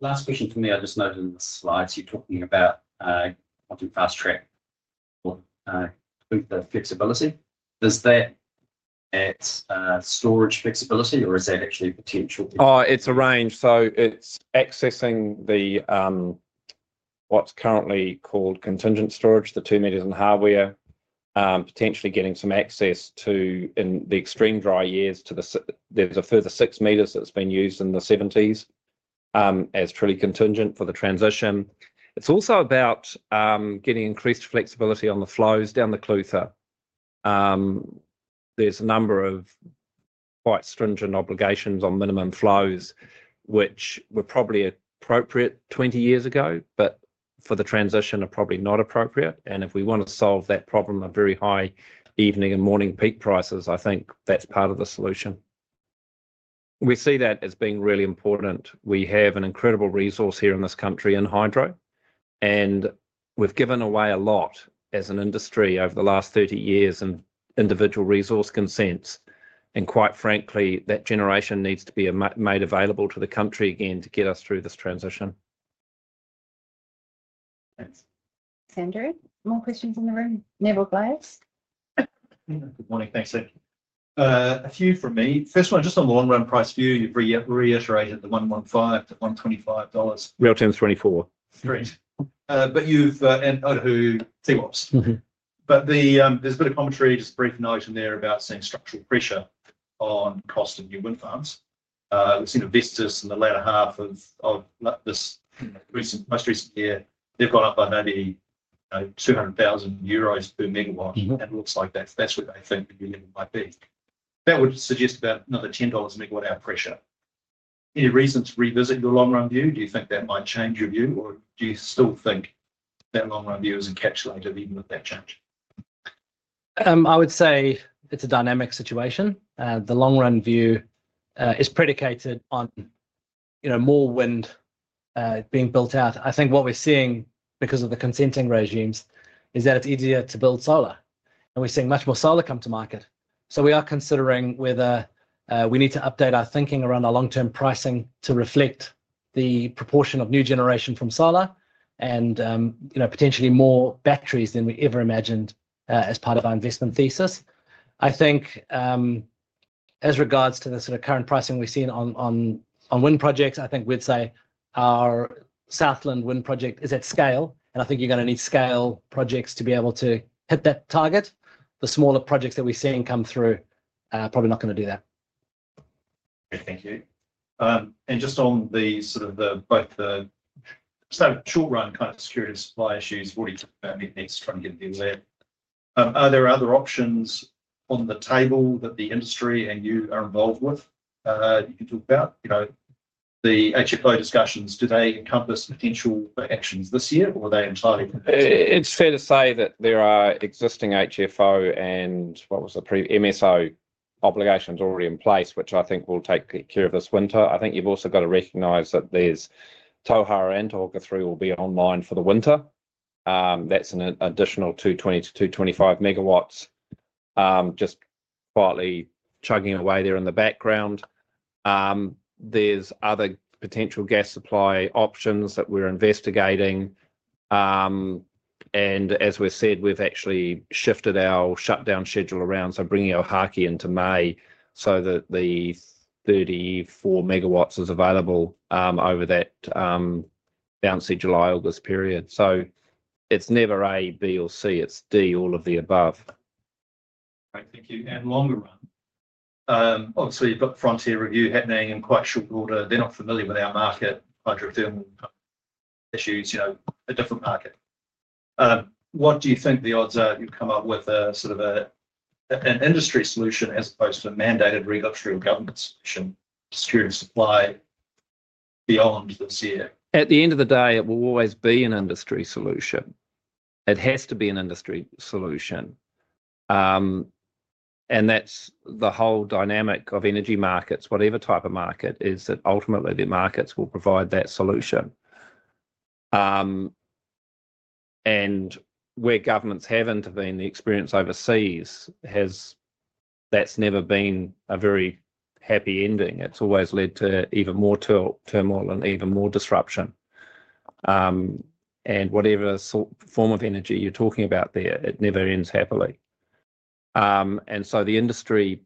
Last question for me, I just noted in the slides, you're talking about Fast Track with the flexibility. Is that at storage flexibility, or is that actually potential? Oh, it's a range. So it's accessing what's currently called contingent storage, the two and a half metres where potentially getting some access to, in the extreme dry years, to the there's a further six metres that's been used in the 1970s as truly contingent for the transition. It's also about getting increased flexibility on the flows down the Clutha. There's a number of quite stringent obligations on minimum flows, which were probably appropriate 20 years ago, but for the transition are probably not appropriate. And if we want to solve that problem of very high evening and morning peak prices, I think that's part of the solution. We see that as being really important. We have an incredible resource here in this country in hydro, and we've given away a lot as an industry over the last 30 years in individual resource consents. And quite frankly, that generation needs to be made available to the country again to get us through this transition. Thanks. Sander, more questions in the room? Nevill Gluyas. Good morning. Thanks. A few from me. First one, just on the long-run price view, you've reiterated the $115-$125. Real terms 2024. Great. But you've added to Te Huka. But there's a bit of commentary, just a brief note in there about seeing structural pressure on cost of new wind farms. We've seen a Vestas in the latter half of this most recent year. They've gone up by maybe 200,000 euros per MW, and it looks like that's what they think the new limit might be. That would suggest about another 10 dollars MWh pressure. Any reason to revisit your long-run view? Do you think that might change your view, or do you still think that long-run view is encapsulated even with that change? I would say it's a dynamic situation. The long-run view is predicated on more wind being built out. I think what we're seeing because of the consenting regimes is that it's easier to build solar, and we're seeing much more solar come to market. We are considering whether we need to update our thinking around our long-term pricing to reflect the proportion of new generation from solar and potentially more batteries than we ever imagined as part of our investment thesis. I think as regards to the sort of current pricing we've seen on wind projects, I think you'd say our Southland wind project is at scale, and I think you're going to need scale projects to be able to hit that target. The smaller projects that we're seeing come through are probably not going to do that. Okay. Thank you. And just on the sort of both the short-run kind of security supply issues, what are you talking about? It's trying to get a deal there. Are there other options on the table that the industry and you are involved with? You can talk about the HFO discussions. Do they encompass potential actions this year, or are they entirely? It's fair to say that there are existing HFO and what was the MSO obligations already in place, which I think will take care of this winter. I think you've also got to recognize that there's Tauhara and Te Huka 3 will be online for the winter. That's an additional 220 to 225 MW, just partly chugging away there in the background. There's other potential gas supply options that we're investigating. And as we said, we've actually shifted our shutdown schedule around, so bringing Ohaaki into May so that the 34 MW is available over that bouncy July-August period. So it's never A, B, or C. It's D, all of the above. Okay. Thank you. And longer run, obviously, you've got Frontier review happening in quite short order. They're not familiar with our market, hydrothermal issues, a different market. What do you think the odds are you'll come up with a sort of an industry solution as opposed to a mandated regulatory or government solution to security of supply beyond this year? At the end of the day, it will always be an industry solution. It has to be an industry solution, and that's the whole dynamic of energy markets, whatever type of market, is that ultimately the markets will provide that solution, and where governments have intervened, the experience overseas, that's never been a very happy ending. It's always led to even more turmoil and even more disruption, and whatever form of energy you're talking about there, it never ends happily, and so the industry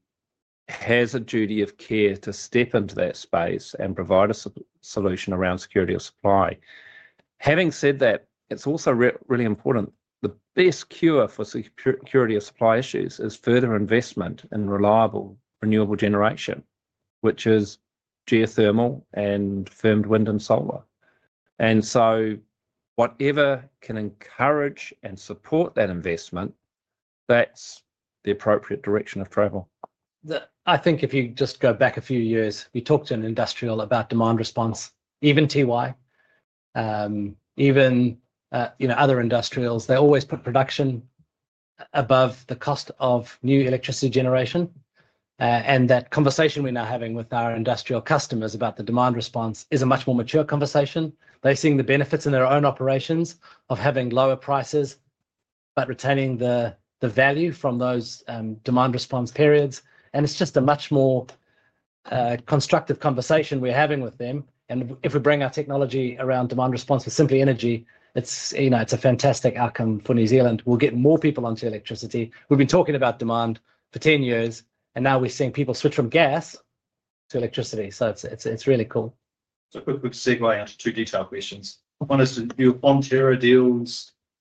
has a duty of care to step into that space and provide a solution around security of supply. Having said that, it's also really important. The best cure for security of supply issues is further investment in reliable renewable generation, which is geothermal and firmed wind and solar, and so whatever can encourage and support that investment, that's the appropriate direction of travel. I think if you just go back a few years, we talked to an industrial about demand response, even Tighe, even other industrials. They always put production above the cost of new electricity generation, and that conversation we're now having with our industrial customers about the demand response is a much more mature conversation. They're seeing the benefits in their own operations of having lower prices but retaining the value from those demand response periods, and it's just a much more constructive conversation we're having with them, and if we bring our technology around demand response for Simply Energy, it's a fantastic outcome for New Zealand. We'll get more people onto electricity. We've been talking about demand for 10 years, and now we're seeing people switch from gas to electricity. So it's really cool. So quick segue into two detailed questions. One is,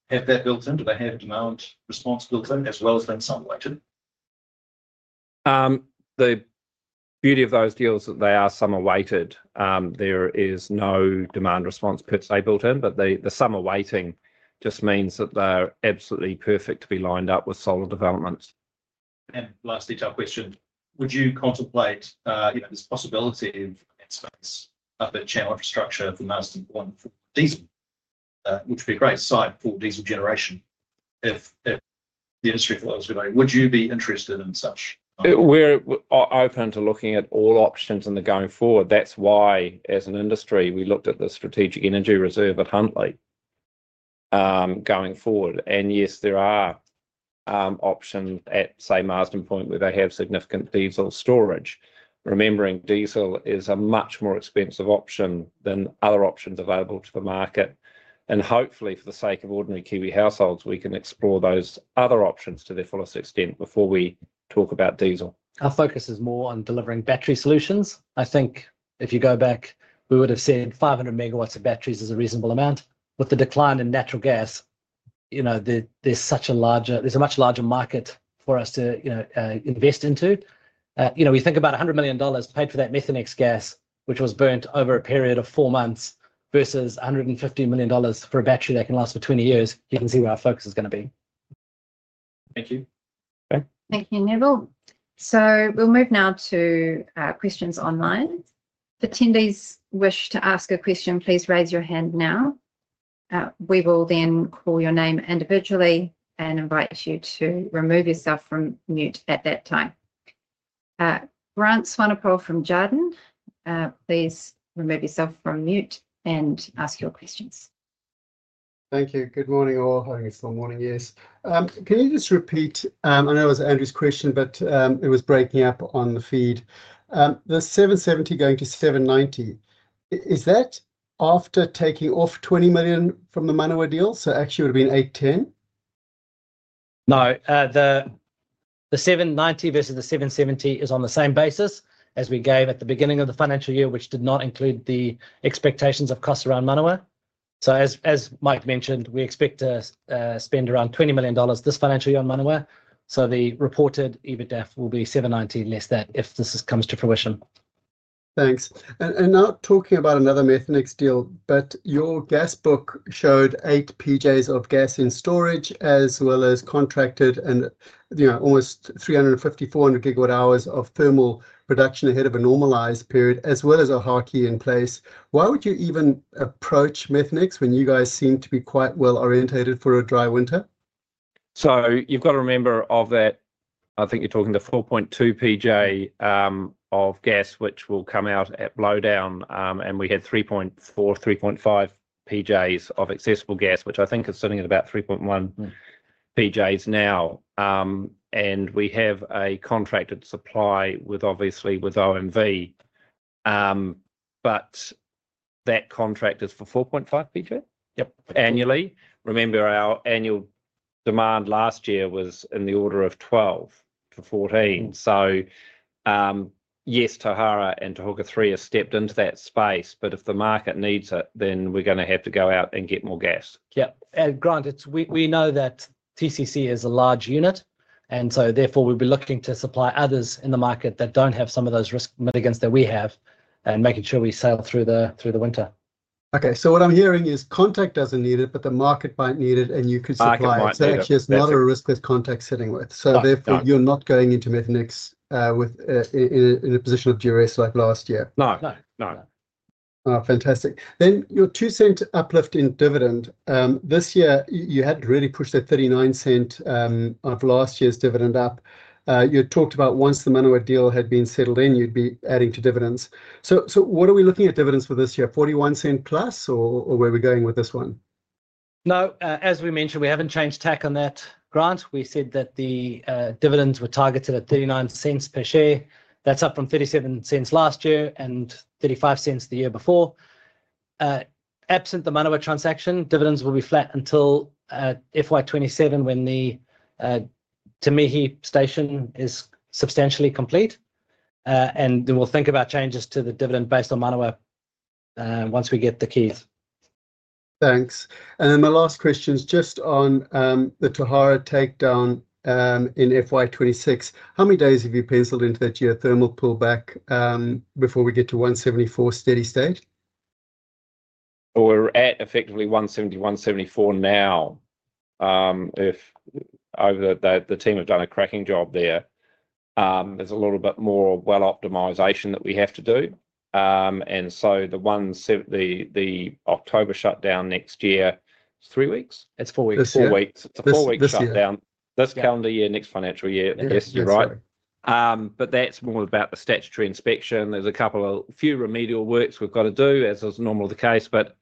do your forward deals have that built in? Do they have demand response built in as well as being as available? The beauty of those deals is that they are as available. There is no demand response per se built in, but the as-available just means that they're absolutely perfect to be lined up with solar developments. And last detailed question, would you contemplate this possibility of space up at Channel Infrastructure for most important diesel, which would be a great site for diesel generation if the industry thought it was going to be? Would you be interested in such? We're open to looking at all options going forward. That's why, as an industry, we looked at the strategic energy reserve at Huntly going forward. And yes, there are options at, say, Marsden Point where they have significant diesel storage. Remembering, diesel is a much more expensive option than other options available to the market. And hopefully, for the sake of ordinary Kiwi households, we can explore those other options to their fullest extent before we talk about diesel. Our focus is more on delivering battery solutions. I think if you go back, we would have said 500 MW of batteries is a reasonable amount. With the decline in natural gas, there's a much larger market for us to invest into. We think about $100 million paid for that Methanex gas, which was burnt over a period of four months versus $150 million for a battery that can last for 20 years. You can see where our focus is going to be. Thank you. Okay. Thank you, Nevill. So we'll move now to questions online. If attendees wish to ask a question, please raise your hand now. We will then call your name individually and invite you to remove yourself from mute at that time. Grant Swanepoel from Jarden, please remove yourself from mute and ask your questions. Thank you. Good morning, all. Have a good morning, yes. Can you just repeat? I know it was Andrew's question, but it was breaking up on the feed. The 770 going to 790, is that after taking off 20 million from the Manawa deal? So actually, it would have been 810? No. The 790 versus the 770 is on the same basis as we gave at the beginning of the financial year, which did not include the expectations of costs around Manawa. As Mike mentioned, we expect to spend around 20 million dollars this financial year on Manawa. The reported EBITDAF will be 790 less than that if this comes to fruition. Thanks. Not talking about another Methanex deal, but your gas book showed 8 PJs of gas in storage as well as contracted and almost 350 to 400 gigawatt hours of thermal production ahead of a normalized period as well as Ohaaki in place. Why would you even approach Methanex when you guys seem to be quite well oriented for a dry winter? You've got to remember that I think you're talking to 4.2 PJ of gas, which will come out at blowdown, and we had 3.4 to 3.5 PJs of accessible gas, which I think is sitting at about 3.1 PJs now. We have a contracted supply with, obviously, with OMV, but that contract is for 4.5 PJ annually. Remember, our annual demand last year was in the order of 12 to 14. So yes, Tauhara and Te Huka three have stepped into that space, but if the market needs it, then we're going to have to go out and get more gas. Yeah. And Grant, we know that TCC is a large unit, and so therefore we'll be looking to supply others in the market that don't have some of those risk mitigants that we have and making sure we sail through the winter. Okay. So what I'm hearing is Contact doesn't need it, but the market might need it, and you can supply. So actually, it's not a riskless Contact sitting with. So therefore, you're not going into Methanex in a position of duress like last year. No. No. No. Fantastic. Then your two-cent uplift in dividend. This year, you had really pushed that $0.39 of last year's dividend up. You talked about once the Manawa deal had been settled in, you'd be adding to dividends. So what are we looking at dividends for this year? $0.41 plus or where are we going with this one? No. As we mentioned, we haven't changed tack on that, Grant. We said that the dividends were targeted at $0.39 per share. That's up from $0.37 last year and $0.35 the year before. Absent the Manawa transaction, dividends will be flat until FY27 when the Te Mihi station is substantially complete. Then we'll think about changes to the dividend based on Manawa once we get the keys. Thanks. Then my last question is just on the Tauhara takedown in FY26. How many days have you pencilled into the geothermal pullback before we get to 174 steady state? We're at effectively 170, 174 now. The team have done a cracking job there. There's a little bit more well optimisation that we have to do. And so the October shutdown next year, it's three weeks? It's four weeks. It's four weeks. It's a four-week shutdown. This calendar year, next financial year. Yes, you're right. But that's more about the statutory inspection. There's a couple of few remedial works we've got to do, as is normal the case, but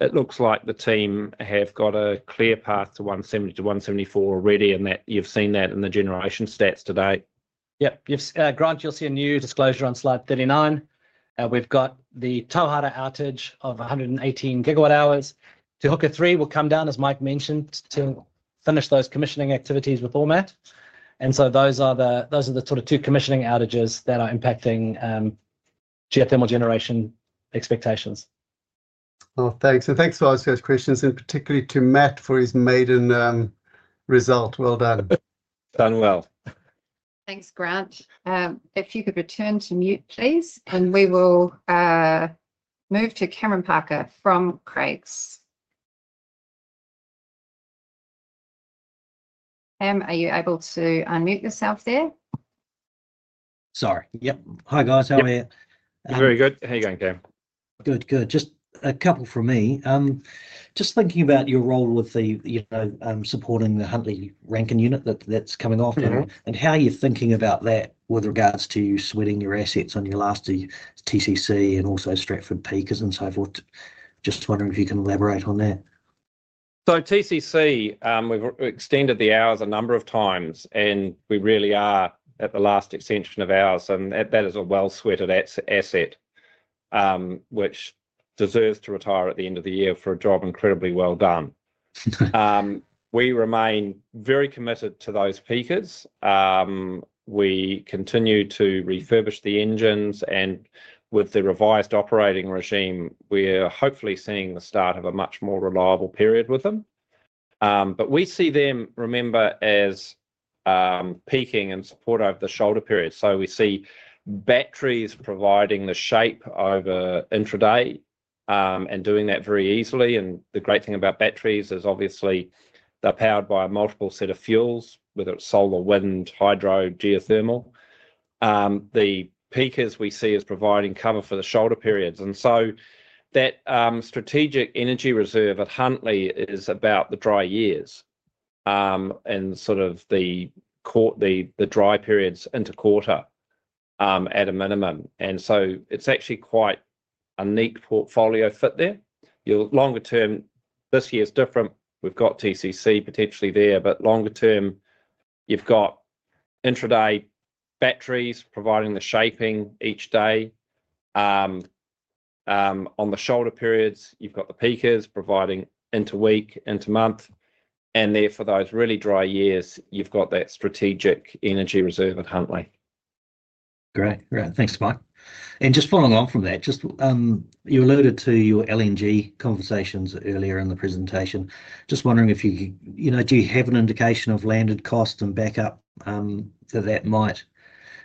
it looks like the team have got a clear path to 170 to 174 already, and you've seen that in the generation stats today. Yep. Grant, you'll see a new disclosure on slide 39. We've got the Tauhara outage of 118 GWh. Te Huka 3 will come down, as Mike mentioned, to finish those commissioning activities with Ormat. And so those are the sort of two commissioning outages that are impacting geothermal generation expectations. Oh, thanks. And thanks for those questions, and particularly to Matt for his maiden result. Well done. Done well. Thanks, Grant. If you could return to mute, please, and we will move to Cameron Parker from Craigs. Cam, are you able to unmute yourself there? Sorry. Yep. Hi, guys. How are you? Very good. How are you going, Cam? Good, good. Just a couple for me. Just thinking about your role with supporting the Huntly Rankine unit that's coming off, and how are you thinking about that with regards to you sweating your assets on your last TCC and also Stratford peakers, and so forth? Just wondering if you can elaborate on that. TCC, we've extended the hours a number of times, and we really are at the last extension of hours. That is a well-sweated asset, which deserves to retire at the end of the year for a job incredibly well done. We remain very committed to those Peakers. We continue to refurbish the engines, and with the revised operating regime, we're hopefully seeing the start of a much more reliable period with them. We see them, remember, as peaking in support over the shoulder period. We see batteries providing the shape over intraday and doing that very easily. The great thing about batteries is obviously they're powered by a multiple set of fuels, whether it's solar, wind, hydro, geothermal. The Peakers we see as providing cover for the shoulder periods. And so that strategic energy reserve at Huntly is about the dry years and sort of the dry periods into quarter at a minimum. And so it's actually quite a neat portfolio fit there. Longer term, this year is different. We've got TCC potentially there, but longer term, you've got intraday batteries providing the shaping each day. On the shoulder periods, you've got the Peakers providing into week, into month. And therefore, those really dry years, you've got that strategic energy reserve at Huntly. Great. Great. Thanks, Mike. And just following on from that, you alluded to your LNG conversations earlier in the presentation. Just wondering if you have an indication of landed cost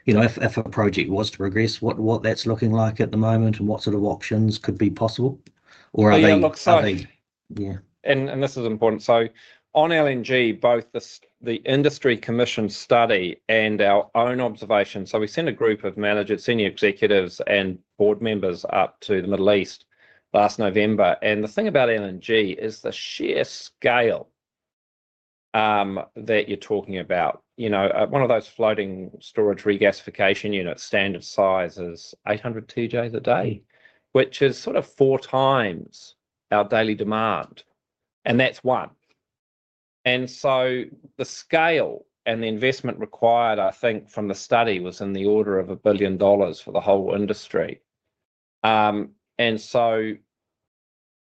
and what that might, if a project was to progress, what that's looking like at the moment and what sort of options could be possible? Or are they? It looks like. Yeah. This is important. So on LNG, both the industry commission study and our own observation. So we sent a group of managers, senior executives, and board members up to the Middle East last November. And the thing about LNG is the sheer scale that you're talking about. One of those floating storage regasification units, standard sizes, 800 TJs a day, which is sort of four times our daily demand. And that's one. And so the scale and the investment required, I think, from the study was in the order of 1 billion dollars for the whole industry. And so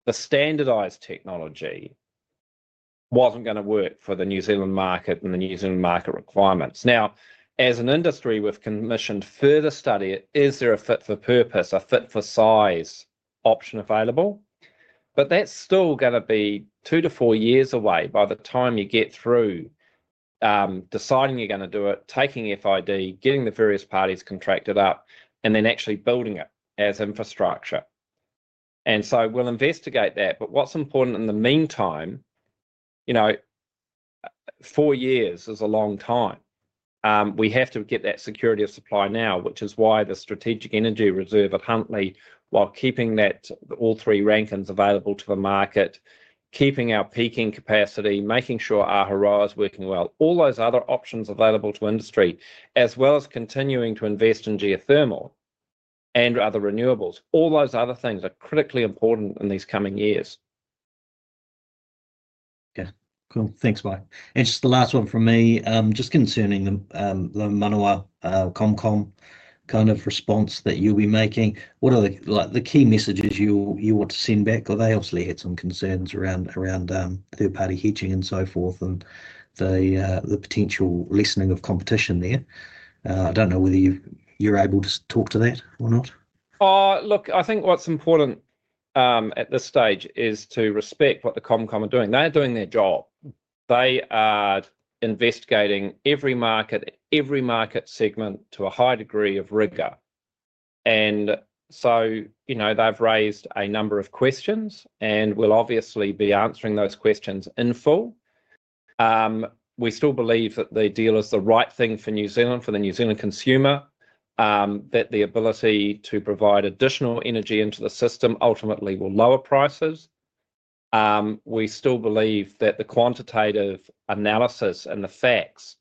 the standardized technology wasn't going to work for the New Zealand market and the New Zealand market requirements. Now, as an industry we've commissioned further study, is there a fit for purpose, a fit for size option available? But that's still going to be two to four years away by the time you get through deciding you're going to do it, taking FID, getting the various parties contracted up, and then actually building it as infrastructure. And so we'll investigate that. But what's important in the meantime, four years is a long time. We have to get that security of supply now, which is why the strategic energy reserve at Huntly, while keeping all three Rankine available to the market, keeping our peaking capacity, making sure our HARA is working well, all those other options available to industry, as well as continuing to invest in geothermal and other renewables. All those other things are critically important in these coming years. Yeah. Cool. Thanks, Mike. And just the last one for me, just concerning the Manawa ComCom kind of response that you'll be making. What are the key messages you want to send back? They obviously had some concerns around third-party hedging and so forth and the potential lessening of competition there. I don't know whether you're able to talk to that or not. Look, I think what's important at this stage is to respect what the ComCom are doing. They're doing their job. They are investigating every market, every market segment to a high degree of rigor. And so they've raised a number of questions, and we'll obviously be answering those questions in full. We still believe that the deal is the right thing for New Zealand, for the New Zealand consumer, that the ability to provide additional energy into the system ultimately will lower prices. We still believe that the quantitative analysis and the facts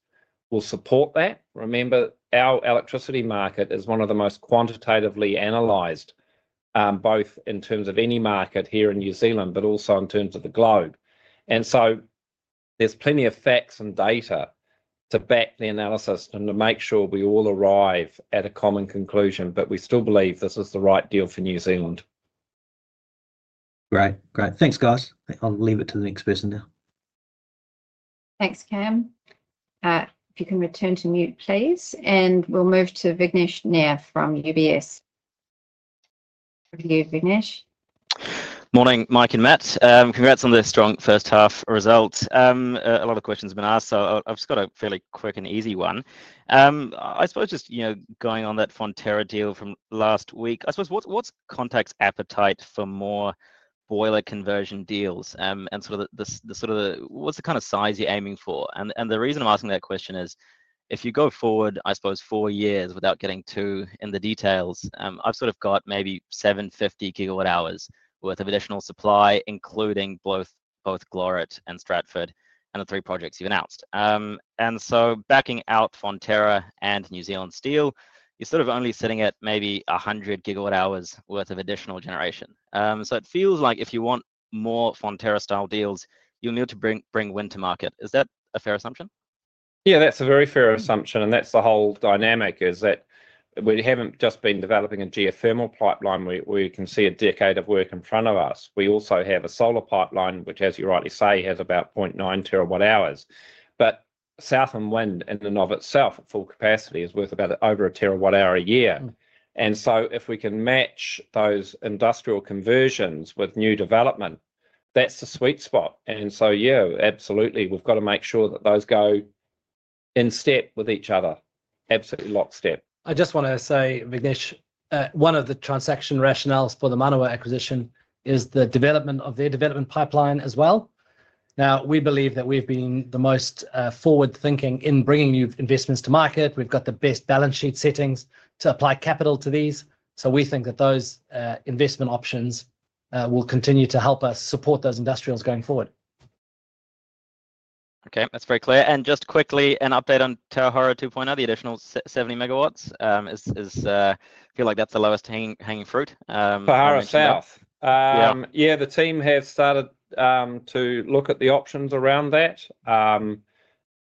will support that. Remember, our electricity market is one of the most quantitatively analyzed, both in terms of any market here in New Zealand, but also in terms of the globe. And so there's plenty of facts and data to back the analysis and to make sure we all arrive at a common conclusion, but we still believe this is the right deal for New Zealand. Great. Great. Thanks, guys. I'll leave it to the next person now. Thanks, Cam. If you can return to mute, please. And we'll move to Vignesh Nair from UBS. Over to you, Vignesh. Morning, Mike and Matt. Congrats on the strong first half results. A lot of questions have been asked, so I've just got a fairly quick and easy one. I suppose just going on that Fonterra deal from last week, I suppose, what's Contact's appetite for more boiler conversion deals and sort of the sort of what's the kind of size you're aiming for? And the reason I'm asking that question is if you go forward, I suppose, four years without getting too in the details, I've sort of got maybe 750 GWh worth of additional supply, including both Glorit and Stratford and the three projects you've announced. And so backing out Fonterra and New Zealand Steel, you're sort of only sitting at maybe 100 GWh worth of additional generation. So it feels like if you want more Fonterra-style deals, you'll need to bring wind to market. Is that a fair assumption? Yeah, that's a very fair assumption. And that's the whole dynamic is that we haven't just been developing a geothermal pipeline. We can see a decade of work in front of us. We also have a solar pipeline, which, as you rightly say, has about 0.9 TWh. But southern wind in and of itself at full capacity is worth about over a terawatt hour a year. And so if we can match those industrial conversions with new development, that's the sweet spot. And so, yeah, absolutely. We've got to make sure that those go in step with each other. Absolutely lock step. I just want to say, Vignesh, one of the transaction rationales for the Manawa acquisition is the development of their development pipeline as well. Now, we believe that we've been the most forward-thinking in bringing new investments to market. We've got the best balance sheet settings to apply capital to these. So we think that those investment options will continue to help us support those industrials going forward. Okay. That's very clear. And just quickly, an update on Tauhara 2.0, the additional 70 MW, I feel like that's the lowest hanging fruit. Tauhara South. Yeah, the team has started to look at the options around that.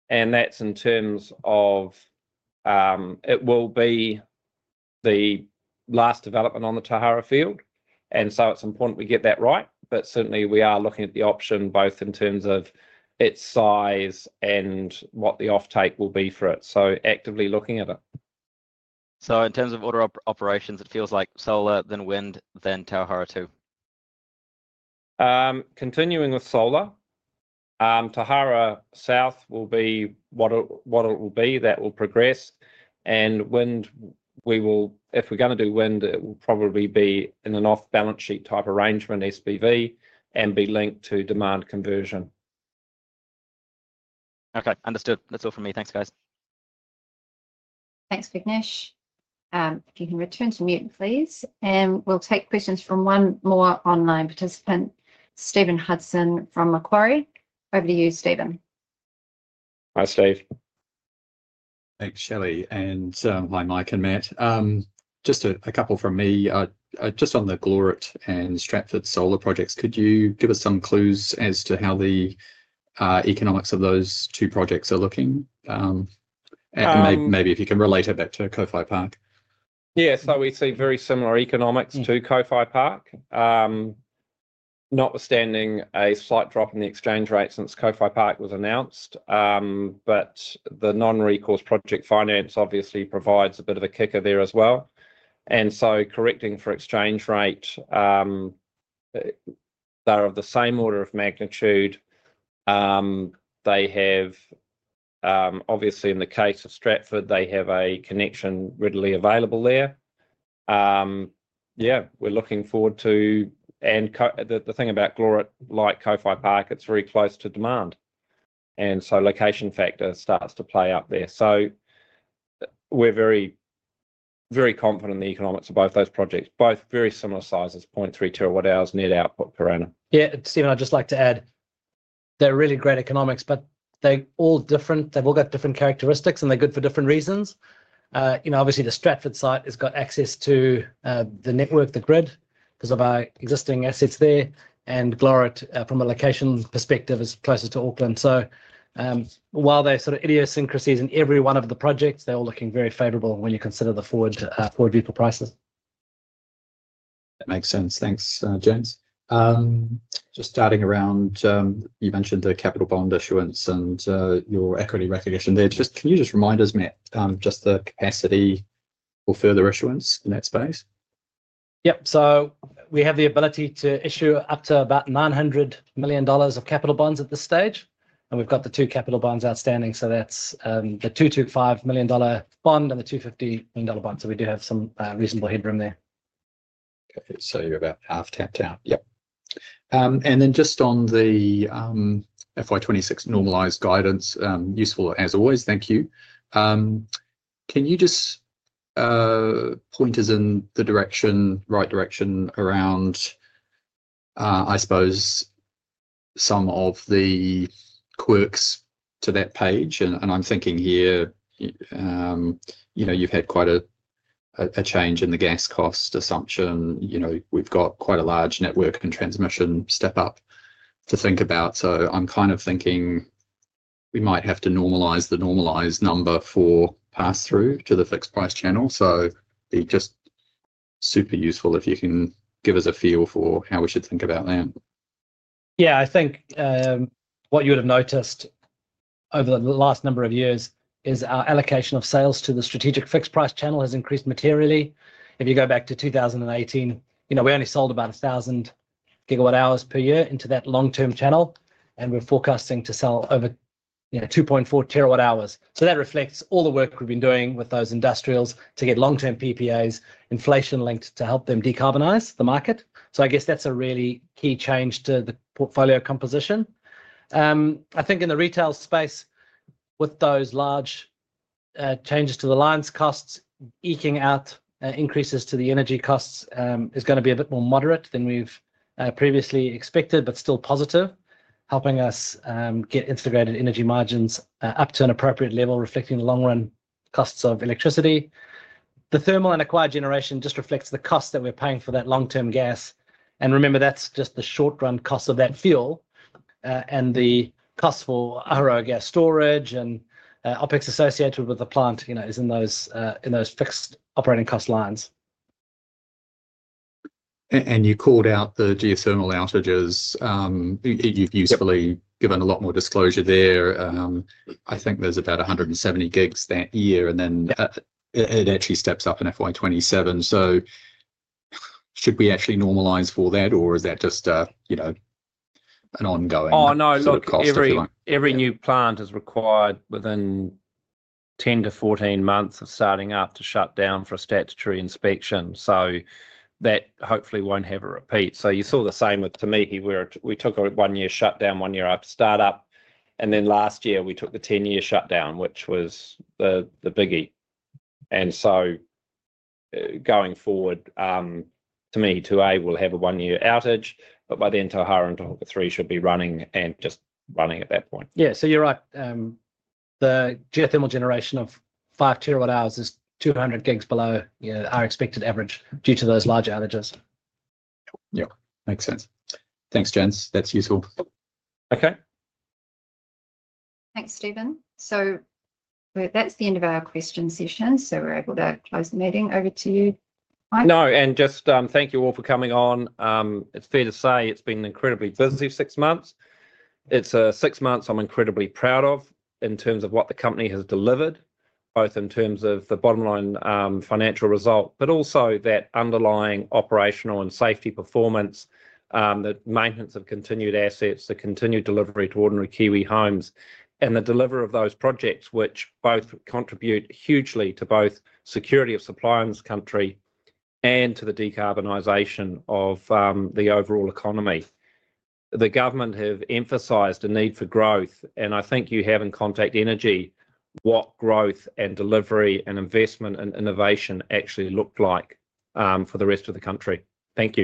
And that's in terms of it will be the last development on the Tauhara field. And so it's important we get that right. But certainly, we are looking at the option both in terms of its size and what the offtake will be for it. So actively looking at it. So in terms of order of operations, it feels like solar, then wind, then Tauhara 2. Continuing with solar, Tauhara South will be what it will be. That will progress. And wind, if we're going to do wind, it will probably be in an off-balance sheet type arrangement, SPV, and be linked to demand conversion. Okay. Understood. That's all from me. Thanks, guys. Thanks, Vignesh. If you can return to mute, please. And we'll take questions from one more online participant, Stephen Hudson from Macquarie. Over to you, Stephen. Hi, Steve. Thanks, Shelley. And hi, Mike and Matt. Just a couple from me. Just on the Glorit and Stratford solar projects, could you give us some clues as to how the economics of those two projects are looking? And maybe if you can relate it back to Kōwhai Park. Yeah. So we see very similar economics to Kōwhai Park, notwithstanding a slight drop in the exchange rate since Kōwhai Park was announced. But the non-recourse project finance obviously provides a bit of a kicker there as well. And so correcting for exchange rate, they're of the same order of magnitude. They have, obviously, in the case of Stratford, they have a connection readily available there. Yeah, we're looking forward to, and the thing about Glorit, like Kōwhai Park, it's very close to demand. And so location factor starts to play up there. So we're very confident in the economics of both those projects, both very similar sizes, 0.3 TWh net output per annum. Yeah. Stephen, I'd just like to add they're really great economics, but they're all different. They've all got different characteristics, and they're good for different reasons. Obviously, the Stratford site has got access to the network, the grid, because of our existing assets there. And Glorit, from a location perspective, is closer to Auckland. So while there's sort of idiosyncrasies in every one of the projects, they're all looking very favorable when you consider the forward wholesale prices. That makes sense. Thanks, James. Just starting around, you mentioned the capital bond issuance and your equity recognition there. Can you just remind us, Matt, just the capacity for further issuance in that space? Yep. So we have the ability to issue up to about 900 million dollars of capital bonds at this stage. And we've got the two capital bonds outstanding. So that's the 225 million dollar bond and the 250 million dollar bond. So we do have some reasonable headroom there. Okay. So you're about half tapped out. Yep. And then just on the FY26 normalized guidance, useful as always. Thank you. Can you just point us in the right direction around, I suppose, some of the quirks to that page? And I'm thinking here, you've had quite a change in the gas cost assumption. We've got quite a large network and transmission step-up to think about. So I'm kind of thinking we might have to normalize the normalized number for pass-through to the fixed price channel. So it'd be just super useful if you can give us a feel for how we should think about that. Yeah. I think what you would have noticed over the last number of years is our allocation of sales to the strategic fixed price channel has increased materially. If you go back to 2018, we only sold about 1,000 GWh per year into that long-term channel. And we're forecasting to sell over 2.4 TWh. So that reflects all the work we've been doing with those industrials to get long-term PPAs, inflation-linked to help them decarbonize the market. So I guess that's a really key change to the portfolio composition. I think in the retail space, with those large changes to the lines costs, eking out increases to the energy costs is going to be a bit more moderate than we've previously expected, but still positive, helping us get integrated energy margins up to an appropriate level, reflecting the long-run costs of electricity. The thermal and acquired generation just reflects the cost that we're paying for that long-term gas. And remember, that's just the short-run cost of that fuel. And the cost for Ahuroa gas storage and Opex associated with the plant is in those fixed operating cost lines. And you called out the geothermal outages. You've usefully given a lot more disclosure there. I think there's about 170 GWh that year. And then it actually steps up in FY27. So should we actually normalize for that, or is that just an ongoing cost? Oh, no. Look, every new plant is required within 10 to 14 months of starting up to shut down for a statutory inspection. So that hopefully won't have a repeat. So you saw the same with Te Mihi, where we took a one-year shutdown, one-year start-up. And then last year, we took the 10-year shutdown, which was the biggie. And so going forward, Te Mihi Stage 2A will have a one-year outage. But by then, Tauhara and Te Huka 3 should be running and just running at that point. Yeah. So you're right. The geothermal generation of 5 TWh is 200 gigs below our expected average due to those large outages. Yep. Makes sense. Thanks, gents. That's useful. Okay. Thanks, Stephen. So that's the end of our question session. So we're able to close the meeting. Over to you, Mike. No. And just thank you all for coming on. It's fair to say it's been an incredibly busy six months. It's six months I'm incredibly proud of in terms of what the company has delivered, both in terms of the bottom-line financial result, but also that underlying operational and safety performance, the maintenance of continued assets, the continued delivery to ordinary Kiwi homes, and the delivery of those projects, which both contribute hugely to both security of supply in this country and to the decarbonization of the overall economy. The government have emphasized a need for growth, and I think you have in Contact Energy what growth and delivery and investment and innovation actually looked like for the rest of the country. Thank you.